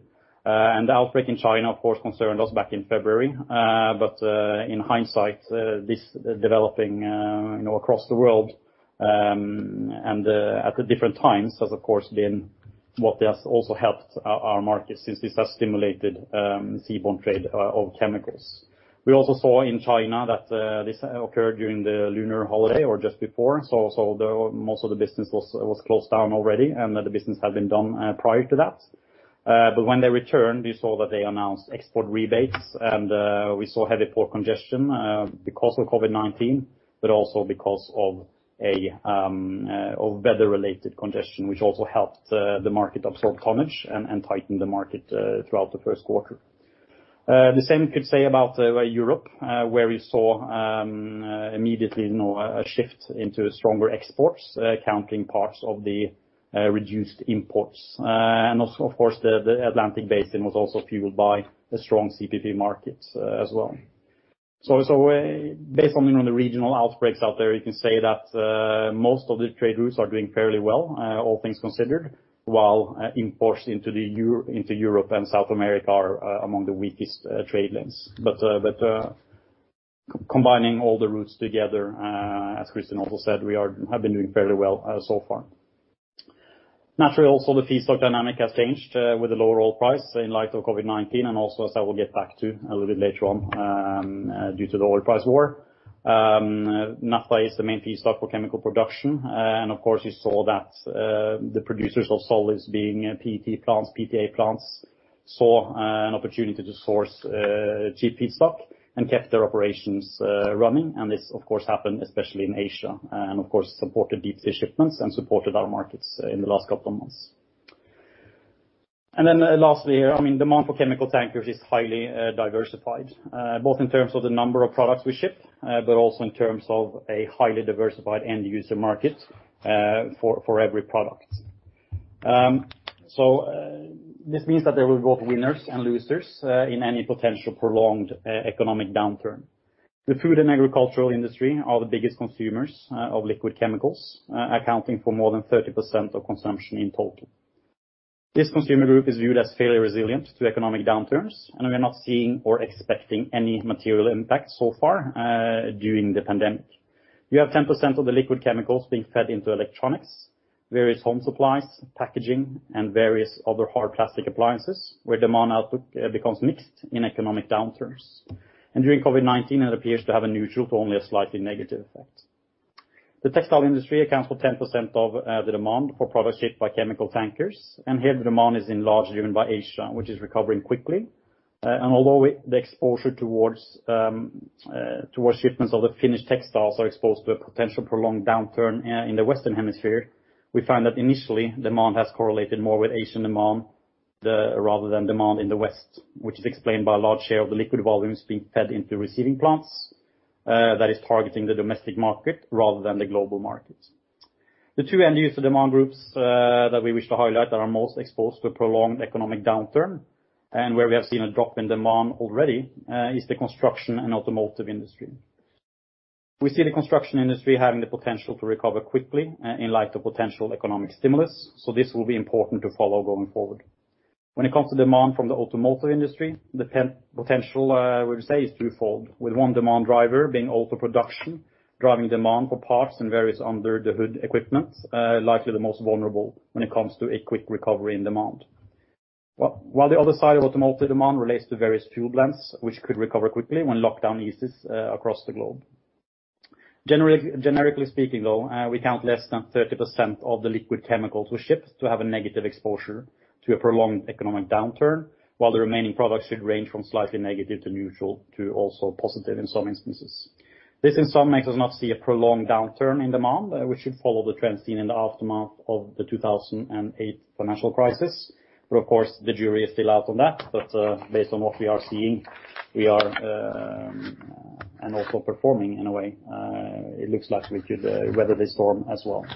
The outbreak in China, of course, concerned us back in February. In hindsight, this developing across the world, and at different times has, of course, been what has also helped our market since this has stimulated seaborne trade of chemicals. We also saw in China that this occurred during the lunar holiday or just before, although most of the business was closed down already and that the business had been done prior to that. When they returned, we saw that they announced export rebates and we saw heavy port congestion, because of COVID-19, but also because of weather-related congestion, which also helped the market absorb tonnage and tightened the market throughout the first quarter. The same could say about Europe, where we saw immediately a shift into stronger exports accounting parts of the reduced imports. Of course, the Atlantic Basin was also fueled by a strong CPP market as well. Based on the regional outbreaks out there, you can say that most of the trade routes are doing fairly well all things considered, while imports into Europe and South America are among the weakest trade lanes. Combining all the routes together, as Kristian also said, we have been doing fairly well so far. Naturally, also the feedstock dynamic has changed with the lower oil price in light of COVID-19 and also as I will get back to a little bit later on, due to the oil price war. Naphtha is the main feedstock for chemical production. Of course, you saw that the producers of solvents being PET plants, PTA plants, saw an opportunity to source cheap feedstock and kept their operations running. This, of course, happened especially in Asia, and of course, supported deep sea shipments and supported our markets in the last couple months. Lastly here, demand for chemical tankers is highly diversified, both in terms of the number of products we ship, but also in terms of a highly diversified end user market, for every product. This means that there were both winners and losers in any potential prolonged economic downturn. The food and agricultural industry are the biggest consumers of liquid chemicals, accounting for more than 30% of consumption in total. This consumer group is viewed as fairly resilient to economic downturns, and we are not seeing or expecting any material impact so far during the pandemic. You have 10% of the liquid chemicals being fed into electronics, various home supplies, packaging and various other hard plastic appliances where demand output becomes mixed in economic downturns. During COVID-19, it appears to have a neutral to only a slightly negative effect. The textile industry accounts for 10% of the demand for products shipped by chemical tankers, and here the demand is in large driven by Asia, which is recovering quickly. Although the exposure towards shipments of the finished textiles are exposed to a potential prolonged downturn in the Western Hemisphere, we find that initially demand has correlated more with Asian demand rather than demand in the West, which is explained by a large share of the liquid volumes being fed into receiving plants that is targeting the domestic market rather than the global market. The two end user demand groups that we wish to highlight that are most exposed to a prolonged economic downturn and where we have seen a drop in demand already is the construction and automotive industry. We see the construction industry having the potential to recover quickly in light of potential economic stimulus, so this will be important to follow going forward. When it comes to demand from the automotive industry, the potential we would say is threefold, with one demand driver being auto production, driving demand for parts and various under the hood equipment, likely the most vulnerable when it comes to a quick recovery in demand. The other side of automotive demand relates to various fuel blends, which could recover quickly when lockdown eases across the globe. Generically speaking, though, we count less than 30% of the liquid chemicals we ship to have a negative exposure to a prolonged economic downturn, while the remaining products should range from slightly negative to neutral to also positive in some instances. This in some makes us not see a prolonged downturn in demand. We should follow the trends seen in the aftermath of the 2008 financial crisis. Of course, the jury is still out on that. Based on what we are seeing, we are and also performing in a way, it looks like we could weather the storm as well.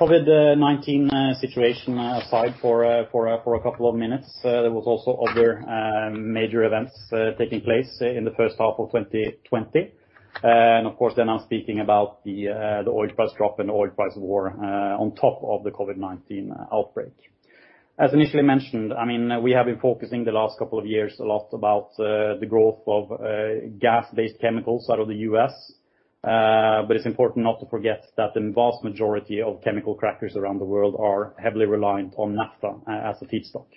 COVID-19 situation aside for a couple of minutes, there was also other major events taking place in the first half of 2020. Of course, then I'm speaking about the oil price drop and the oil price war on top of the COVID-19 outbreak. As initially mentioned, we have been focusing the last couple of years a lot about the growth of gas-based chemicals out of the U.S. It's important not to forget that the vast majority of chemical crackers around the world are heavily reliant on naphtha as a feedstock.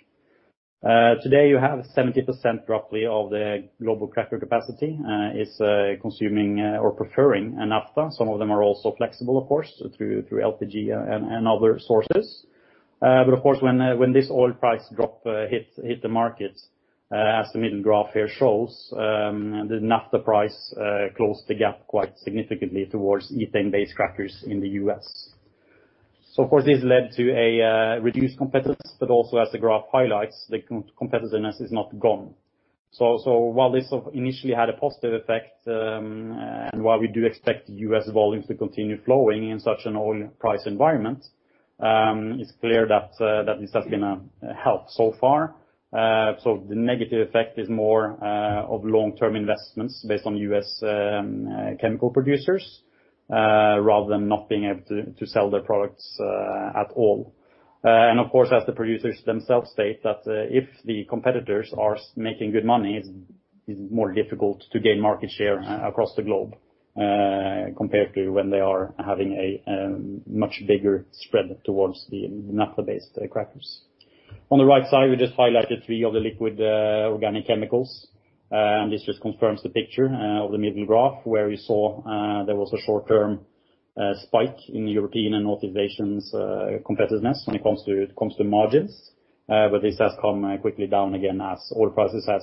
Today you have 70% roughly of the global cracker capacity is consuming or preferring a naphtha. Some of them are also flexible, of course, through LPG and other sources. Of course, when this oil price drop hit the market, as the middle graph here shows, the naphtha price closed the gap quite significantly towards ethane-based crackers in the U.S. Of course, this led to a reduced competitiveness, but also as the graph highlights, the competitiveness is not gone. While this initially had a positive effect, and while we do expect U.S. volumes to continue flowing in such an oil price environment, it's clear that this has been a help so far. The negative effect is more of long-term investments based on U.S. chemical producers, rather than not being able to sell their products at all. Of course, as the producers themselves state that if the competitors are making good money, it's more difficult to gain market share across the globe compared to when they are having a much bigger spread towards the naphtha-based crackers. On the right side, we just highlighted three of the liquid organic chemicals. This just confirms the picture of the middle graph, where you saw there was a short-term spike in European and North Asia's competitiveness when it comes to margins. This has come quickly down again as oil prices have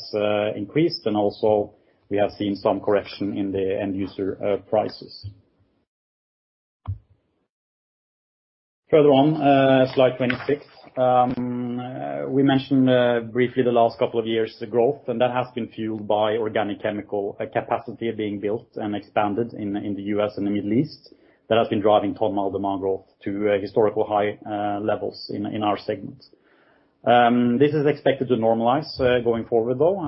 increased. Also we have seen some correction in the end user prices. Further on, slide 26. We mentioned briefly the last couple of years, the growth, and that has been fueled by organic chemical capacity being built and expanded in the U.S. and the Middle East. That has been driving total demand growth to historical high levels in our segment. This is expected to normalize going forward, though.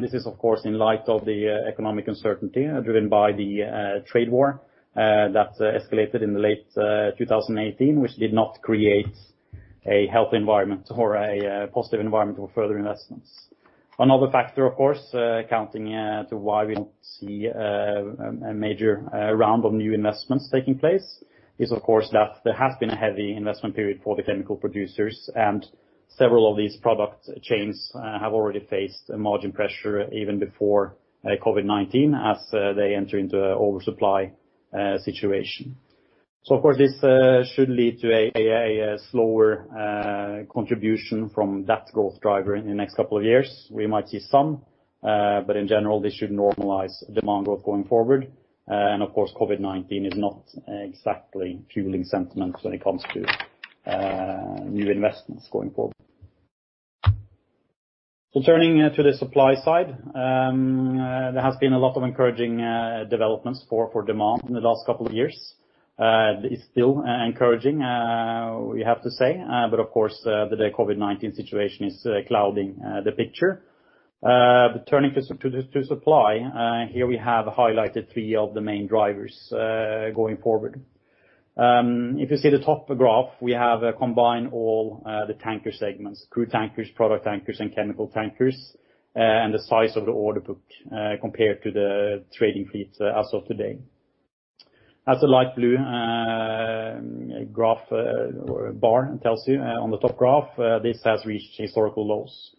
This is, of course, in light of the economic uncertainty driven by the trade war that escalated in late 2018, which did not create a healthy environment or a positive environment for further investments. Another factor, of course, accounting to why we don't see a major round of new investments taking place is, of course, that there has been a heavy investment period for the chemical producers, and several of these product chains have already faced margin pressure even before COVID-19 as they enter into an oversupply situation. Of course, this should lead to a slower contribution from that growth driver in the next couple of years, we might see some, but in general, this should normalize demand growth going forward. Of course, COVID-19 is not exactly fueling sentiment when it comes to new investments going forward. Turning to the supply side. There has been a lot of encouraging developments for demand in the last couple of years. It's still encouraging, we have to say. Of course, the COVID-19 situation is clouding the picture. Turning to supply, here we have highlighted three of the main drivers going forward. If you see the top graph, we have combined all the tanker segments, crude tankers, product tankers, and chemical tankers, and the size of the order book compared to the trading fleet as of today. As the light blue graph bar tells you on the top graph, this has reached historical lows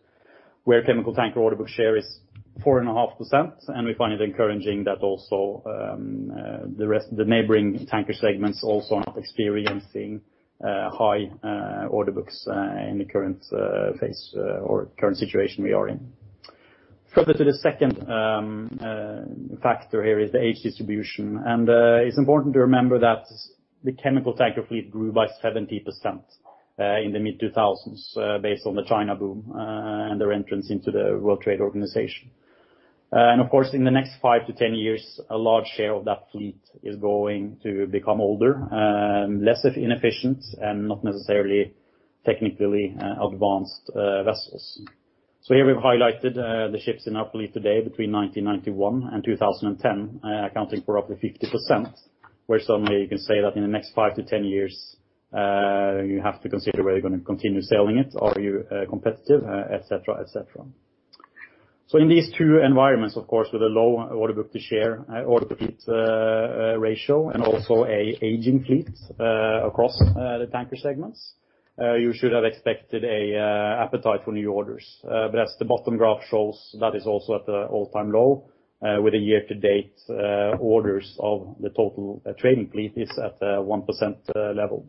where chemical tanker orderbook share is 4.5%, we find it encouraging that also the neighboring tanker segments also are not experiencing high orderbooks in the current phase or current situation we are in. Further to the second factor here is the age distribution. It's important to remember that the chemical tanker fleet grew by 70% in the mid-2000s based on the China boom and their entrance into the World Trade Organization. Of course, in the next 5-10 years, a large share of that fleet is going to become older, less inefficient and not necessarily technically advanced vessels. Here we've highlighted the ships in our fleet today between 1991 and 2010 accounting for roughly 50%, where suddenly you can say that in the next 5-10 years you have to consider whether you're going to continue sailing it, are you competitive, et cetera. As the bottom graph shows, that is also at an all-time low with a year-to-date orders of the total trading fleet is at 1% level.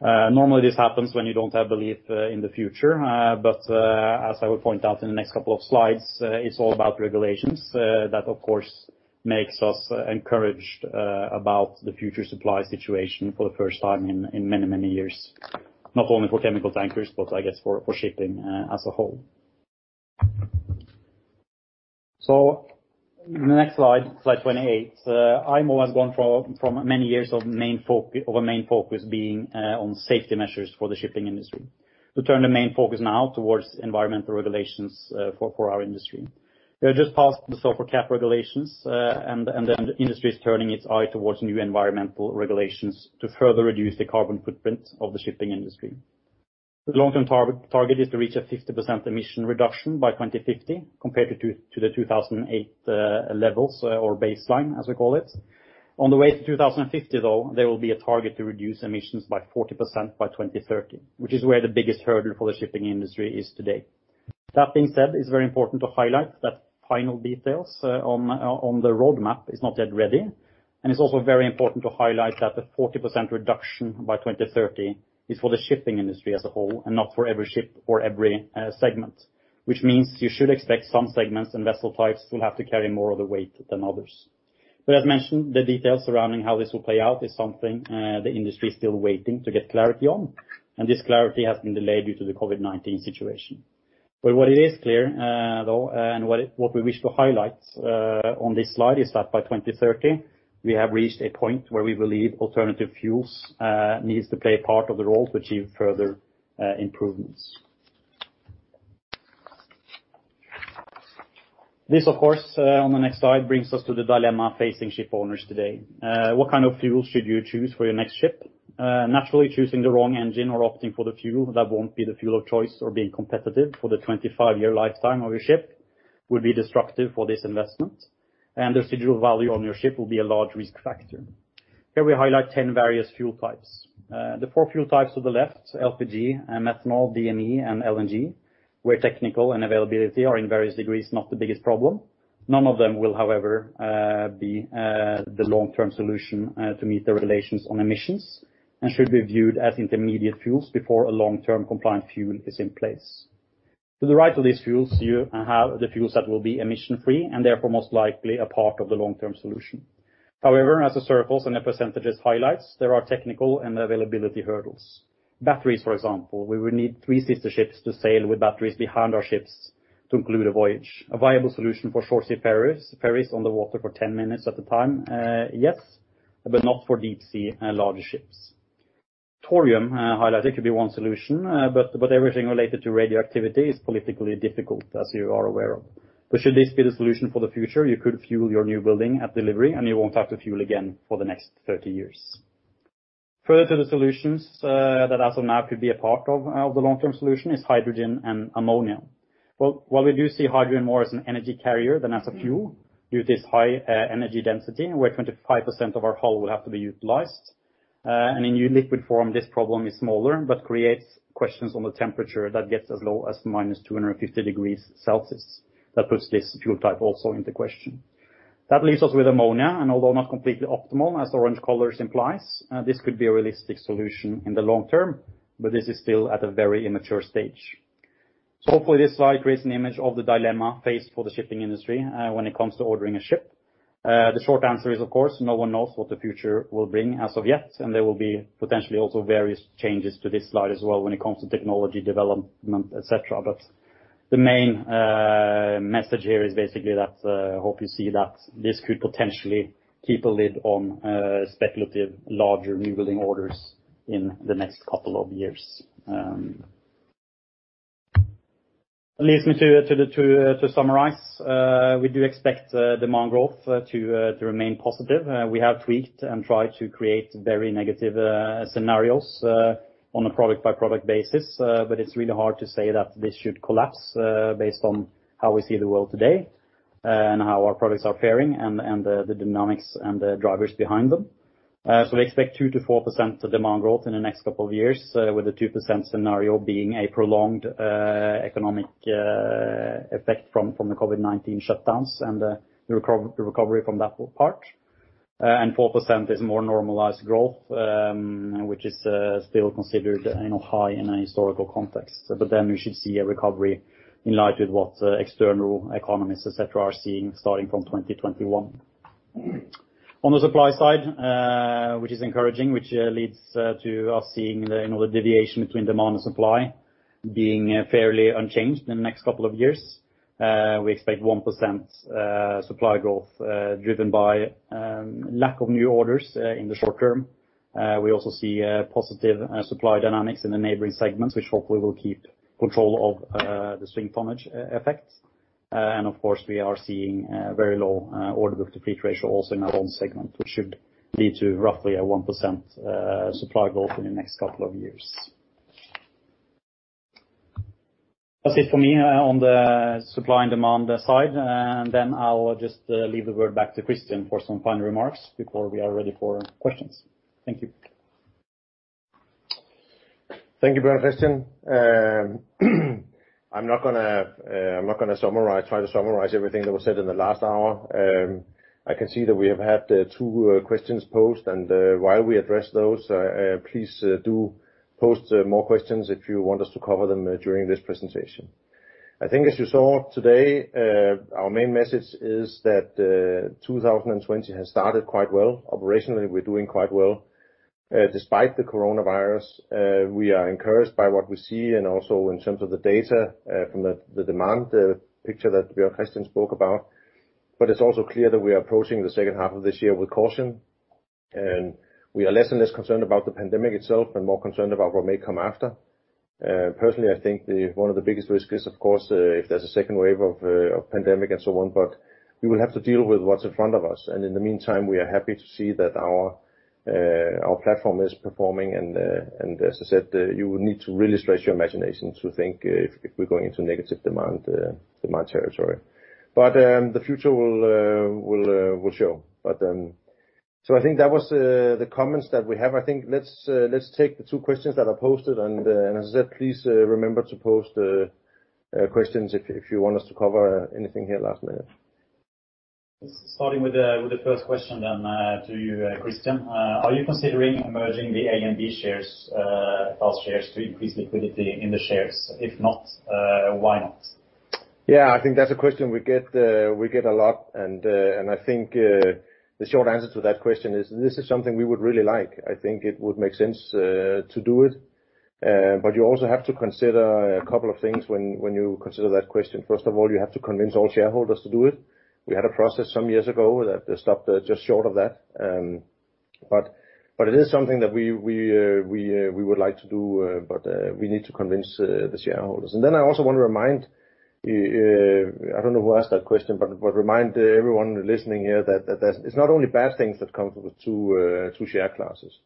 Normally this happens when you don't have belief in the future. As I will point out in the next couple of slides, it's all about regulations that of course, makes us encouraged about the future supply situation for the first time in many, many years. Not only for chemical tankers but I guess for shipping as a whole. In the next slide 28. IMO has gone from many years of a main focus being on safety measures for the shipping industry to turn the main focus now towards environmental regulations for our industry. They have just passed the sulfur cap regulations, and then the industry is turning its eye towards new environmental regulations to further reduce the carbon footprint of the shipping industry. The long-term target is to reach a 50% emission reduction by 2050 compared to the 2008 levels or baseline, as we call it. On the way to 2050, though, there will be a target to reduce emissions by 40% by 2030, which is where the biggest hurdle for the shipping industry is today. That being said, it's very important to highlight that final details on the roadmap is not yet ready, and it's also very important to highlight that the 40% reduction by 2030 is for the shipping industry as a whole and not for every ship or every segment, which means you should expect some segments and vessel types will have to carry more of the weight than others. As mentioned, the details surrounding how this will play out is something the industry is still waiting to get clarity on, and this clarity has been delayed due to the COVID-19 situation. What is clear though, and what we wish to highlight on this slide is that by 2030, we have reached a point where we believe alternative fuels needs to play a part of the role to achieve further improvements. This, of course, on the next slide, brings us to the dilemma facing ship owners today. What kind of fuels should you choose for your next ship? Naturally, choosing the wrong engine or opting for the fuel that won't be the fuel of choice or being competitive for the 25-year lifetime of your ship would be destructive for this investment, and the residual value on your ship will be a large risk factor. Here we highlight 10 various fuel types. The 4 fuel types to the left, LPG, methanol, DME, and LNG, where technical and availability are in various degrees, not the biggest problem. None of them will, however, be the long-term solution to meet the regulations on emissions and should be viewed as intermediate fuels before a long-term compliant fuel is in place. To the right of these fuels, you have the fuels that will be emission-free and therefore most likely a part of the long-term solution. However, as the circles and the percentages highlights, there are technical and availability hurdles. Batteries, for example, we will need three sister ships to sail with batteries behind our ships to include a voyage. A viable solution for short sea ferries on the water for 10 minutes at a time, yes, but not for deep sea large ships. Thorium highlighted could be one solution, but everything related to radioactivity is politically difficult, as you are aware of. Should this be the solution for the future, you could fuel your new building at delivery, and you won't have to fuel again for the next 30 years. Further to the solutions that as of now could be a part of the long-term solution is hydrogen and ammonia. While we do see hydrogen more as an energy carrier than as a fuel due to its high energy density, where 25% of our hull will have to be utilized, and in liquid form, this problem is smaller but creates questions on the temperature that gets as low as -250 degrees Celsius. That puts this fuel type also into question. That leaves us with ammonia, although not completely optimal, as the orange colors implies, this could be a realistic solution in the long term, but this is still at a very immature stage. Hopefully this slide creates an image of the dilemma faced for the shipping industry when it comes to ordering a ship. The short answer is, of course, no one knows what the future will bring as of yet, and there will be potentially also various changes to this slide as well when it comes to technology development, et cetera. The main message here is basically that hope you see that this could potentially keep a lid on speculative larger new building orders in the next couple of years. Leads me to summarize. We do expect demand growth to remain positive. We have tweaked and tried to create very negative scenarios on a product-by-product basis. It's really hard to say that this should collapse based on how we see the world today and how our products are faring and the dynamics and the drivers behind them. We expect 2%-4% demand growth in the next couple of years with a 2% scenario being a prolonged economic effect from the COVID-19 shutdowns and the recovery from that part. 4% is more normalized growth, which is still considered high in a historical context. We should see a recovery in line with what external economists, et cetera, are seeing starting from 2021. On the supply side which is encouraging, which leads to us seeing the deviation between demand and supply being fairly unchanged in the next couple of years. We expect 1% supply growth driven by lack of new orders in the short term. We also see positive supply dynamics in the neighboring segments, which hopefully will keep control of the swing tonnage effect. Of course, we are seeing very low orderbook-to-fleet ratio also in our own segment, which should lead to roughly a 1% supply growth in the next couple of years. That's it for me on the supply and demand side. Then I'll just leave the word back to Kristian for some final remarks before we are ready for questions. Thank you. Thank you, Bjørn Kristian. I'm not going to try to summarize everything that was said in the last hour. I can see that we have had two questions posed, and while we address those, please do post more questions if you want us to cover them during this presentation. I think as you saw today, our main message is that 2020 has started quite well. Operationally, we're doing quite well despite the coronavirus. We are encouraged by what we see and also in terms of the data from the demand picture that Bjørn Kristian spoke about. It's also clear that we are approaching the second half of this year with caution, and we are less and less concerned about the pandemic itself and more concerned about what may come after. Personally, I think one of the biggest risks is, of course if there's a second wave of pandemic and so on, but we will have to deal with what's in front of us. In the meantime, we are happy to see that our platform is performing. As I said, you will need to really stretch your imagination to think if we're going into negative demand territory. The future will show. I think that was the comments that we have. I think let's take the two questions that are posted and as I said, please remember to post questions if you want us to cover anything here last minute. Starting with the first question to you, Kristian. Are you considering merging the A-shares and B-shares to increase liquidity in the shares? If not, why not? Yeah, I think that is a question we get a lot. I think, the short answer to that question is this is something we would really like. I think it would make sense to do it. You also have to consider a couple of things when you consider that question. First of all, you have to convince all shareholders to do it. We had a process some years ago that stopped just short of that. It is something that we would like to do, but, we need to convince the shareholders. Then I also want to remind, I do not know who asked that question, but remind everyone listening here that it is not only bad things that come from the two share classes.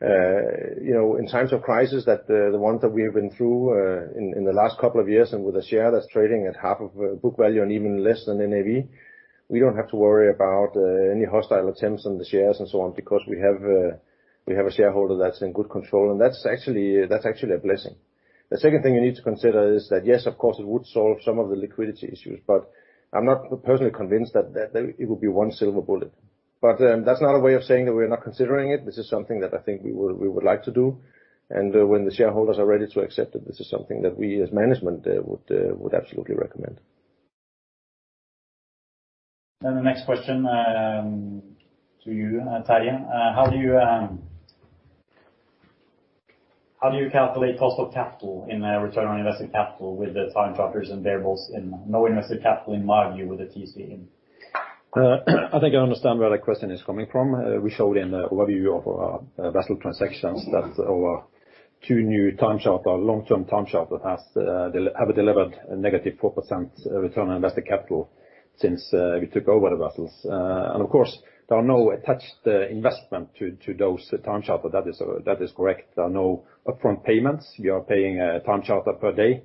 In times of crisis that the ones that we have been through in the last couple of years and with a share that's trading at half of book value and even less than NAV, we don't have to worry about any hostile attempts on the shares and so on, because we have a shareholder that's in good control. That's actually a blessing. The second thing you need to consider is that yes, of course, it would solve some of the liquidity issues, but I'm not personally convinced that, it would be one silver bullet. That's not a way of saying that we are not considering it. This is something that I think we would like to do. When the shareholders are ready to accept it, this is something that we as management would absolutely recommend. The next question, to you, Terje. How do you calculate cost of capital in return on invested capital with the time charters and variables and no invested capital in my view with the TC? I think I understand where the question is coming from. We showed in the overview of our vessel transactions that our two new time charter, long-term time charter have delivered a negative 4% return on invested capital since we took over the vessels. Of course, there are no attached investment to those time charter. That is correct. There are no upfront payments. We are paying a time charter per day,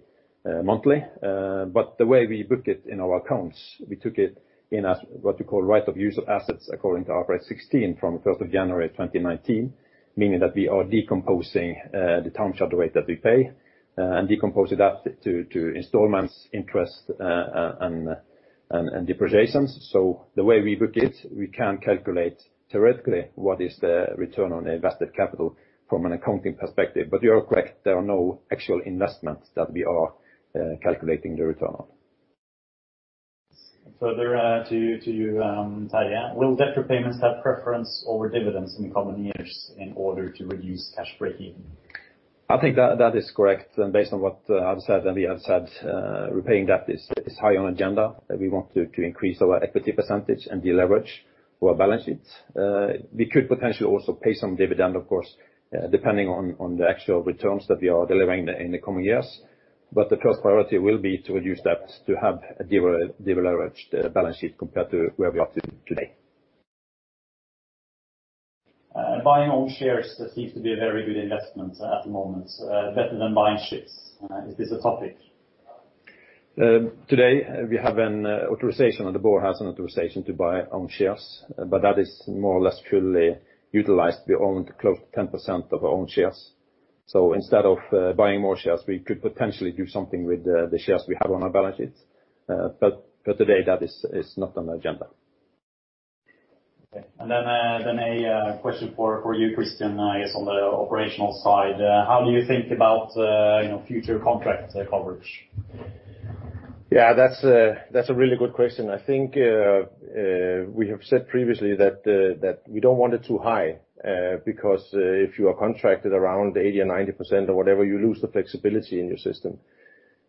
monthly. The way we book it in our accounts, we took it in as what you call right-of-use assets according to IFRS 16 from 1st of January 2019. Meaning that we are decomposing the time charter rate that we pay and decompose it up to installments interest, and depreciations. The way we book it, we can calculate theoretically what is the return on invested capital from an accounting perspective. You are correct, there are no actual investments that we are calculating the return on. Further to you Terje. Will debt repayments have preference over dividends in the coming years in order to reduce cash breakeven? I think that is correct. Based on what I've said and we have said, repaying debt is high on agenda. We want to increase our equity percentage and deleverage our balance sheets. We could potentially also pay some dividend, of course, depending on the actual returns that we are delivering in the coming years. The first priority will be to reduce that, to have a deleveraged balance sheet compared to where we are today. Buying own shares seems to be a very good investment at the moment, better than buying ships. Is this a topic? Today we have an authorization, and the board has an authorization to buy own shares. That is more or less fully utilized. We own close to 10% of our own shares. Instead of buying more shares, we could potentially do something with the shares we have on our balance sheets. Today that is not on the agenda. Okay. Then, a question for you, Kristian, I guess on the operational side. How do you think about future contract coverage? Yeah, that's a really good question. I think we have said previously that, we don't want it too high. Because if you are contracted around 80% or 90% or whatever, you lose the flexibility in your system.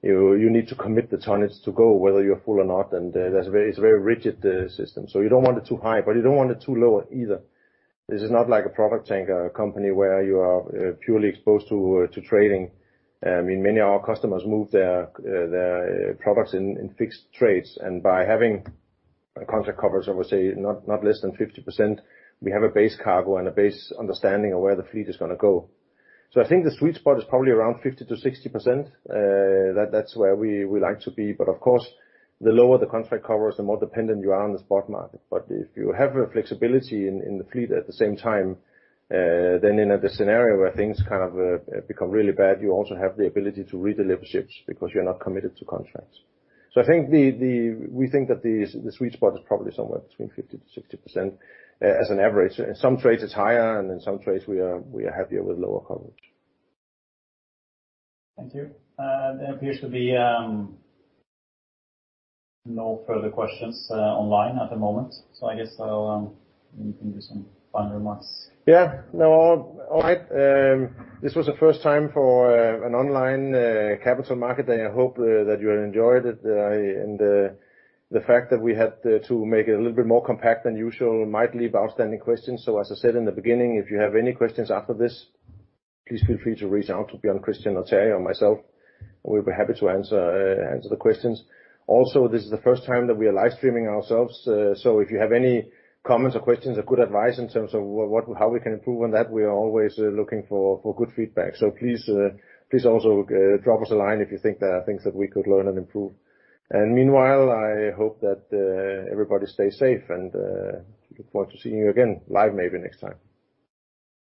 You need to commit the tonnage to go whether you're full or not, and it's a very rigid system. You don't want it too high, but you don't want it too low either. This is not like a product tanker company where you are purely exposed to trading. I mean, many of our customers move their products in fixed trades, and by having contract coverage, I would say not less than 50%, we have a base cargo and a base understanding of where the fleet is going to go. I think the sweet spot is probably around 50%-60%. That's where we like to be. Of course, the lower the contract covers, the more dependent you are on the spot market. If you have a flexibility in the fleet at the same time, then in the scenario where things kind of become really bad, you also have the ability to redeliver ships because you're not committed to contracts. We think that the sweet spot is probably somewhere between 50%-60% as an average. In some trades it's higher, and in some trades we are happier with lower coverage. Thank you. There appears to be no further questions online at the moment. Maybe you can do some final remarks. Yeah. No. All right. This was the first time for an online Capital Market Day. I hope that you enjoyed it. The fact that we had to make it a little bit more compact than usual might leave outstanding questions. As I said in the beginning, if you have any questions after this, please feel free to reach out to Bjørn Kristian or Terje or myself. We'll be happy to answer the questions. This is the first time that we are live streaming ourselves. If you have any comments or questions or good advice in terms of how we can improve on that, we are always looking for good feedback. Please, also drop us a line if you think there are things that we could learn and improve. Meanwhile, I hope that everybody stays safe and look forward to seeing you again, live maybe next time.